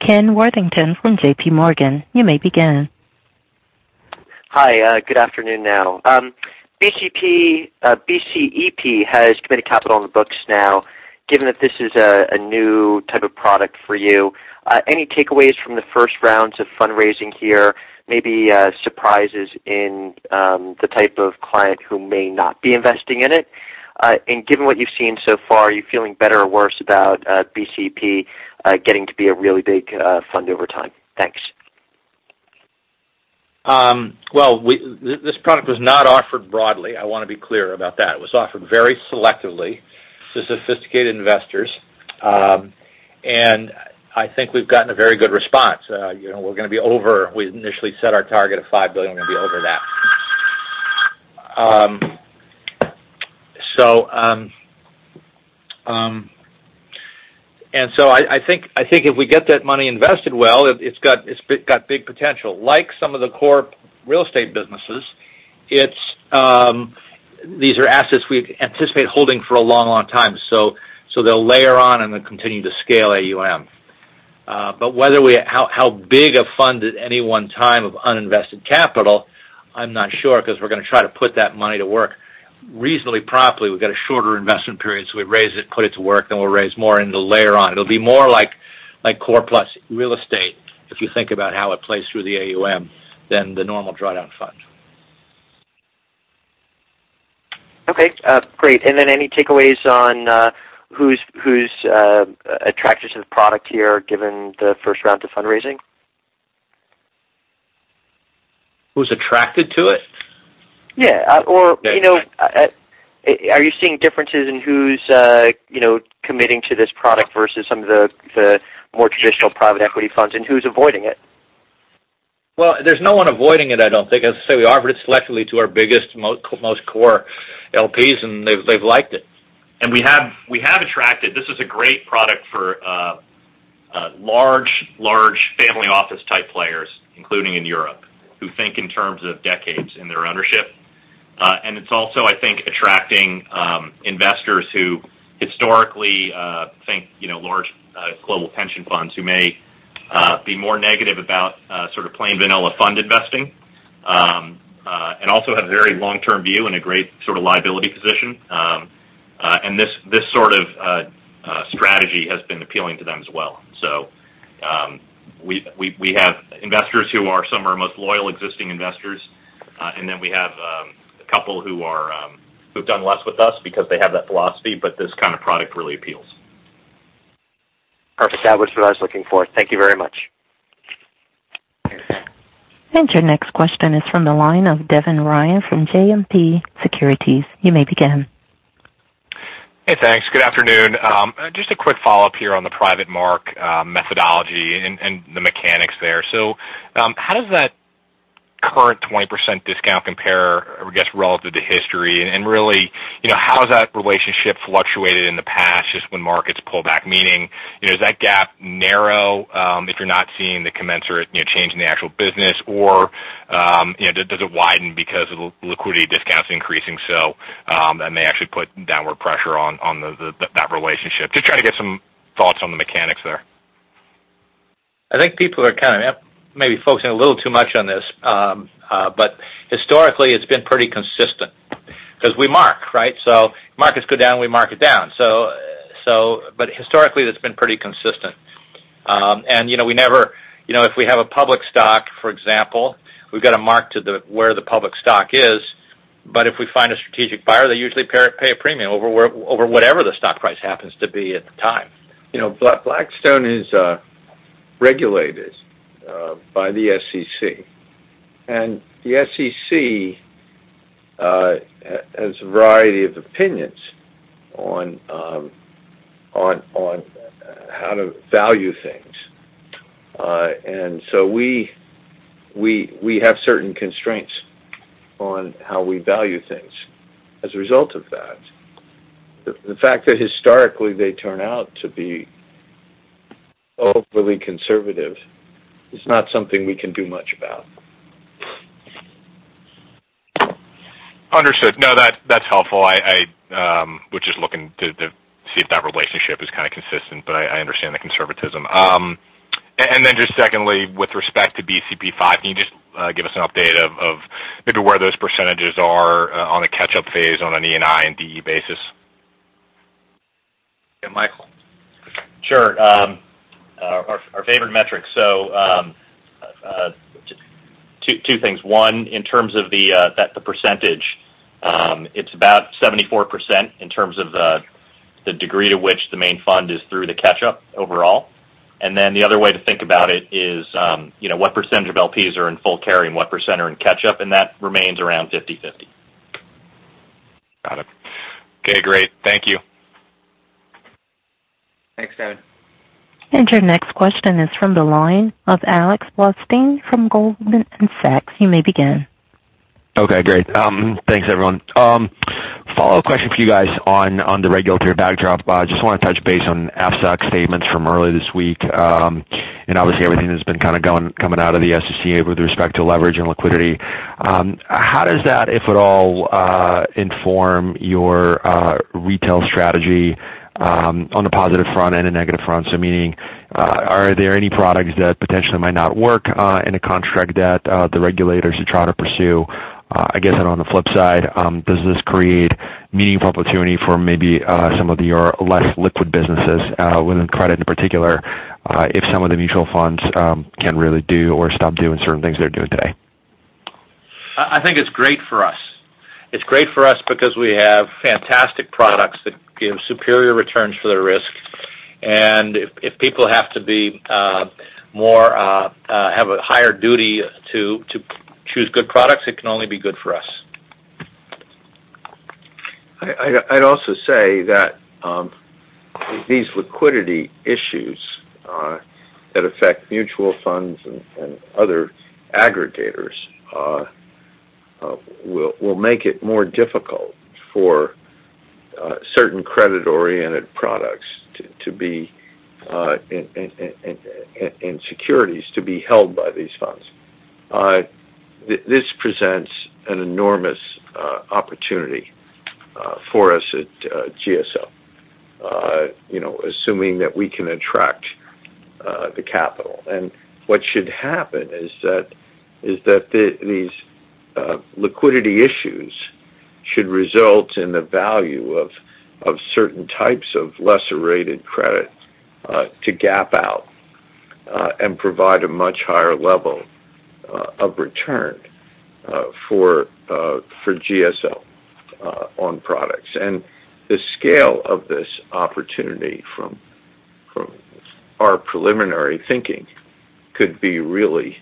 Kenneth Worthington from J.P. Morgan. You may begin. Hi. Good afternoon now. BCEP has committed capital on the books now. Given that this is a new type of product for you, any takeaways from the first rounds of fundraising here, maybe surprises in the type of client who may not be investing in it? Given what you've seen so far, are you feeling better or worse about BCEP getting to be a really big fund over time? Thanks. Well, this product was not offered broadly. I want to be clear about that. It was offered very selectively to sophisticated investors. I think we've gotten a very good response. We initially set our target of $5 billion. We're going to be over that. I think if we get that money invested well, it's got big potential. Like some of the core real estate businesses, these are assets we anticipate holding for a long, long time. They'll layer on and continue to scale AUM. How big a fund at any one time of uninvested capital, I'm not sure because we're going to try to put that money to work reasonably properly. We've got a shorter investment period. We raise it, put it to work, we'll raise more into layer on. It'll be more like Core Plus real estate if you think about how it plays through the AUM than the normal drawdown fund. Okay. Great. Any takeaways on who's attracted to the product here given the first round of fundraising? Who's attracted to it? Yeah. Are you seeing differences in who's committing to this product versus some of the more traditional private equity funds, and who's avoiding it? Well, there's no one avoiding it, I don't think. As I say, we offered it selectively to our biggest, most core LPs, they've liked it. This is a great product for large family office type players, including in Europe, who think in terms of decades in their ownership. It's also, I think, attracting investors who historically think large global pension funds who may be more negative about sort of plain vanilla fund investing, also have a very long-term view and a great sort of liability position. This sort of strategy has been appealing to them as well. We have investors who are some of our most loyal existing investors, then we have a couple who've done less with us because they have that philosophy, this kind of product really appeals. Perfect. That was what I was looking for. Thank you very much. Your next question is from the line of Devin Ryan from JMP Securities. You may begin. Hey, thanks. Good afternoon. Just a quick follow-up here on the private mark methodology and the mechanics there. How does that current 20% discount compare, I guess, relative to history, and really, how has that relationship fluctuated in the past, just when markets pull back? Meaning, does that gap narrow if you're not seeing the commensurate change in the actual business, or does it widen because of liquidity discounts increasing so that may actually put downward pressure on that relationship? Just trying to get some thoughts on the mechanics there. I think people are kind of maybe focusing a little too much on this. Historically, it's been pretty consistent because we mark, right? Markets go down, we mark it down. Historically, that's been pretty consistent. If we have a public stock, for example, we've got to mark to where the public stock is. If we find a strategic buyer, they usually pay a premium over whatever the stock price happens to be at the time. Blackstone is regulated by the SEC, and the SEC has a variety of opinions on how to value things. So we have certain constraints on how we value things as a result of that. The fact that historically they turn out to be overly conservative is not something we can do much about. Understood. No, that's helpful. I was just looking to see if that relationship is kind of consistent, but I understand the conservatism. Then just secondly, with respect to BCP V, can you just give us an update of maybe where those percentages are on a catch-up phase on an ENI and DE basis? Yeah, Michael. Sure. Our favorite metric. Two things. One, in terms of the percentage it's about 74% in terms of the degree to which the main fund is through the catch-up overall. The other way to think about it is what percentage of LPs are in full carry and what percent are in catch-up, and that remains around 50/50. Got it. Okay, great. Thank you. Thanks, Devin. Your next question is from the line of Alex Blostein from Goldman Sachs. You may begin. Okay, great. Thanks, everyone. Follow-up question for you guys on the regulatory backdrop. I just want to touch base on FSOC statements from earlier this week. Obviously everything that's been kind of coming out of the SEC with respect to leverage and liquidity. How does that, if at all, inform your retail strategy on the positive front and a negative front? Meaning, are there any products that potentially might not work in a construct that the regulators should try to pursue? I guess then on the flip side, does this create meaningful opportunity for maybe some of your less liquid businesses within credit in particular, if some of the mutual funds can't really do or stop doing certain things they're doing today? I think it's great for us. It's great for us because we have fantastic products that give superior returns for their risk. If people have to have a higher duty to choose good products, it can only be good for us. I'd also say that these liquidity issues that affect mutual funds and other aggregators will make it more difficult for certain credit-oriented products and securities to be held by these funds. This presents an enormous opportunity for us at GSO, assuming that we can attract the capital. What should happen is that these liquidity issues should result in the value of certain types of lesser-rated credit to gap out and provide a much higher level of return for GSO on products. The scale of this opportunity from our preliminary thinking could be really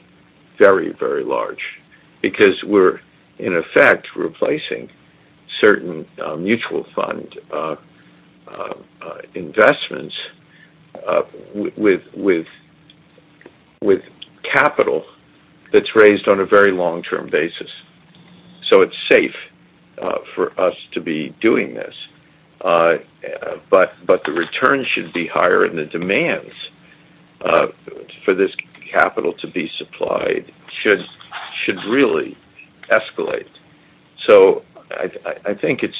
very, very large because we're, in effect, replacing certain mutual fund investments with capital that's raised on a very long-term basis. It's safe for us to be doing this. The return should be higher, and the demands for this capital to be supplied should really escalate. I think it's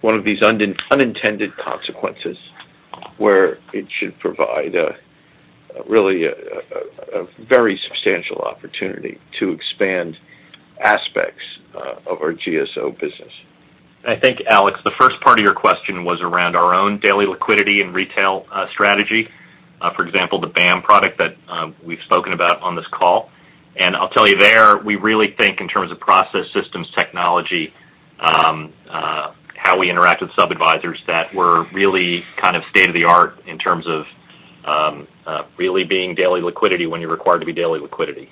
one of these unintended consequences where it should provide really a very substantial opportunity to expand aspects of our GSO business. I think, Alex, the first part of your question was around our own daily liquidity and retail strategy. For example, the BAAM product that we've spoken about on this call. I'll tell you there, we really think in terms of process, systems, technology, how we interact with sub-advisors that we're really state-of-the-art in terms of really being daily liquidity when you're required to be daily liquidity.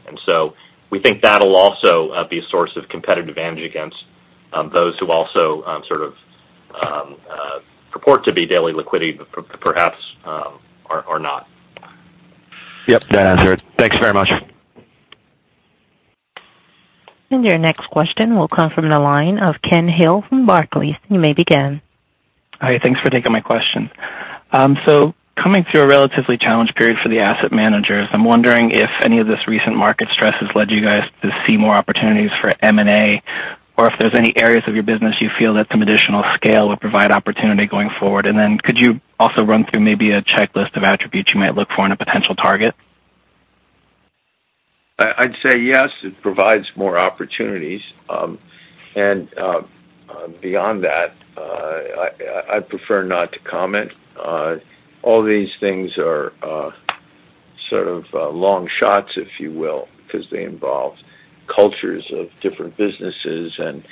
We think that'll also be a source of competitive advantage against those who also purport to be daily liquidity, but perhaps are not. Yep. That answered it. Thanks very much. Your next question will come from the line of Kenneth Hill from Barclays. You may begin. Hi. Thanks for taking my question. Coming through a relatively challenged period for the asset managers, I'm wondering if any of this recent market stress has led you guys to see more opportunities for M&A, or if there's any areas of your business you feel that some additional scale would provide opportunity going forward. Could you also run through maybe a checklist of attributes you might look for in a potential target? I'd say yes, it provides more opportunities. Beyond that, I'd prefer not to comment. All these things are sort of long shots, if you will, because they involve cultures of different businesses and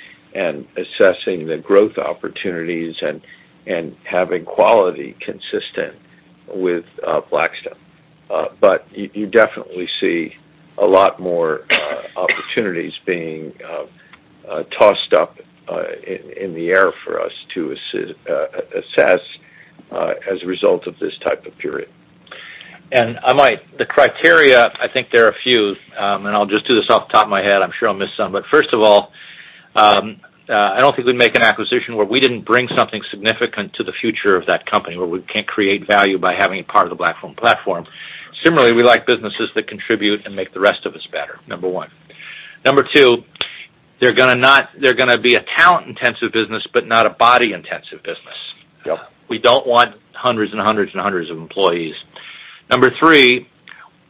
assessing the growth opportunities and having quality consistent with Blackstone. You definitely see a lot more opportunities being tossed up in the air for us to assess as a result of this type of period. The criteria, I think there are a few. I'll just do this off the top of my head. I'm sure I'll miss some. First of all, I don't think we'd make an acquisition where we didn't bring something significant to the future of that company, where we can't create value by having it part of the Blackstone platform. Similarly, we like businesses that contribute and make the rest of us better. Number one. Number two, they're going to be a talent-intensive business, but not a body-intensive business. Yep. We don't want hundreds and hundreds and hundreds of employees. Number three,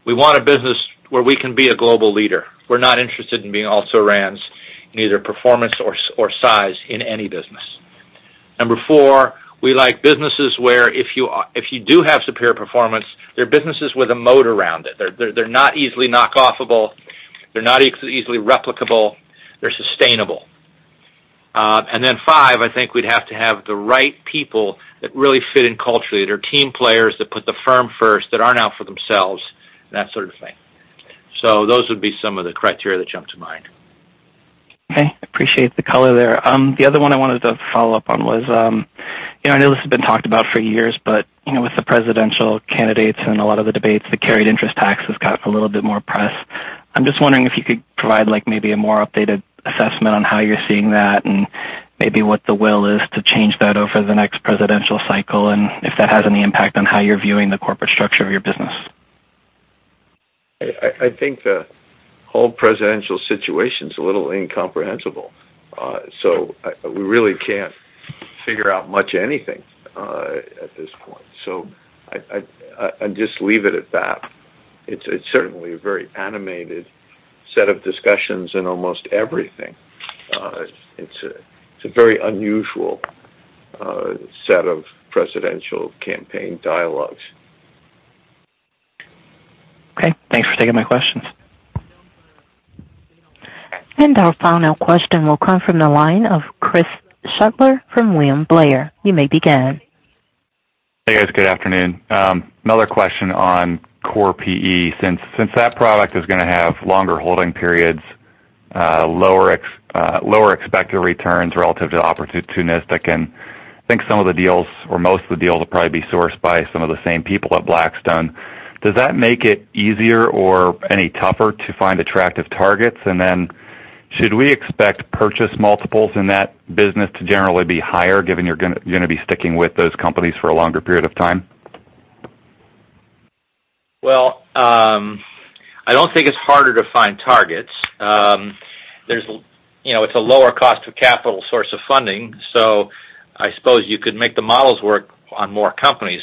we want a business where we can be a global leader. We're not interested in being also-rans in either performance or size in any business. Number four, we like businesses where if you do have superior performance, they're businesses with a moat around it. They're not easily knock-off-able. They're not easily replicable. They're sustainable. Then five, I think we'd have to have the right people that really fit in culturally. That are team players, that put the firm first, that aren't out for themselves, that sort of thing. Those would be some of the criteria that jump to mind. Okay. Appreciate the color there. The other one I wanted to follow up on was, I know this has been talked about for years, with the presidential candidates and a lot of the debates, the carried interest tax has got a little bit more press. I'm just wondering if you could provide maybe a more updated assessment on how you're seeing that, and maybe what the will is to change that over the next presidential cycle, and if that has any impact on how you're viewing the corporate structure of your business. I think the whole presidential situation's a little incomprehensible. We really can't figure out much anything at this point. I just leave it at that. It's certainly a very animated set of discussions in almost everything. It's a very unusual set of presidential campaign dialogues. Okay. Thanks for taking my questions. Our final question will come from the line of Chris Shutler from William Blair. You may begin. Hey, guys. Good afternoon. Another question on core PE. Since that product is going to have longer holding periods, lower expected returns relative to opportunistic, and I think some of the deals, or most of the deals will probably be sourced by some of the same people at Blackstone. Does that make it easier or any tougher to find attractive targets? Then should we expect purchase multiples in that business to generally be higher, given you're going to be sticking with those companies for a longer period of time? Well, I don't think it's harder to find targets. It's a lower cost of capital source of funding. I suppose you could make the models work on more companies.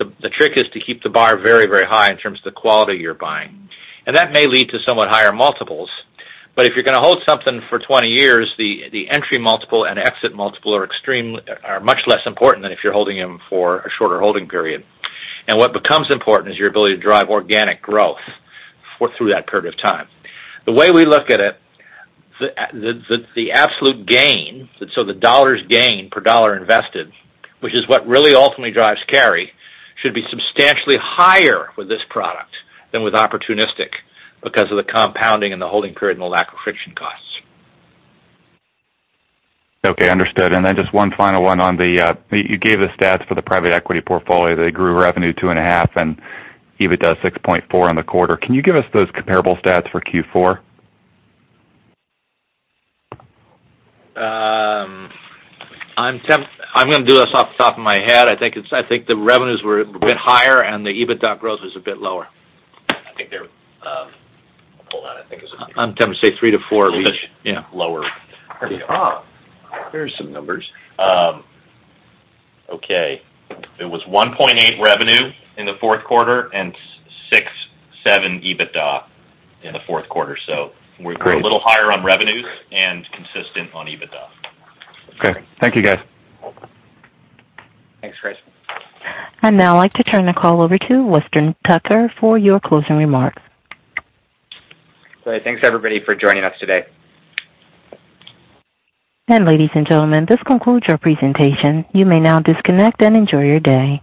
The trick is to keep the bar very, very high in terms of the quality you're buying. That may lead to somewhat higher multiples. If you're going to hold something for 20 years, the entry multiple and exit multiple are much less important than if you're holding them for a shorter holding period. What becomes important is your ability to drive organic growth through that period of time. The way we look at it, the absolute gain, so the dollars gained per dollar invested, which is what really ultimately drives carry, should be substantially higher with this product than with opportunistic because of the compounding and the holding period and the lack of friction costs. Okay, understood. Just one final one on the-- You gave the stats for the private equity portfolio. They grew revenue two and a half, and EBITDA 6.4 in the quarter. Can you give us those comparable stats for Q4? I'm going to do this off the top of my head. I think the revenues were a bit higher, and the EBITDA growth was a bit lower. Hold on. I think it was. I'm tempted to say three to four each. Yeah. Lower. Here's some numbers. Okay. It was 1.8% revenue in the fourth quarter and 6.7% EBITDA in the fourth quarter. We're a little higher on revenues and consistent on EBITDA. Okay. Thank you, guys. Thanks, Chris. I'd now like to turn the call over to Weston Tucker for your closing remarks. Great. Thanks, everybody, for joining us today. Ladies and gentlemen, this concludes your presentation. You may now disconnect and enjoy your day.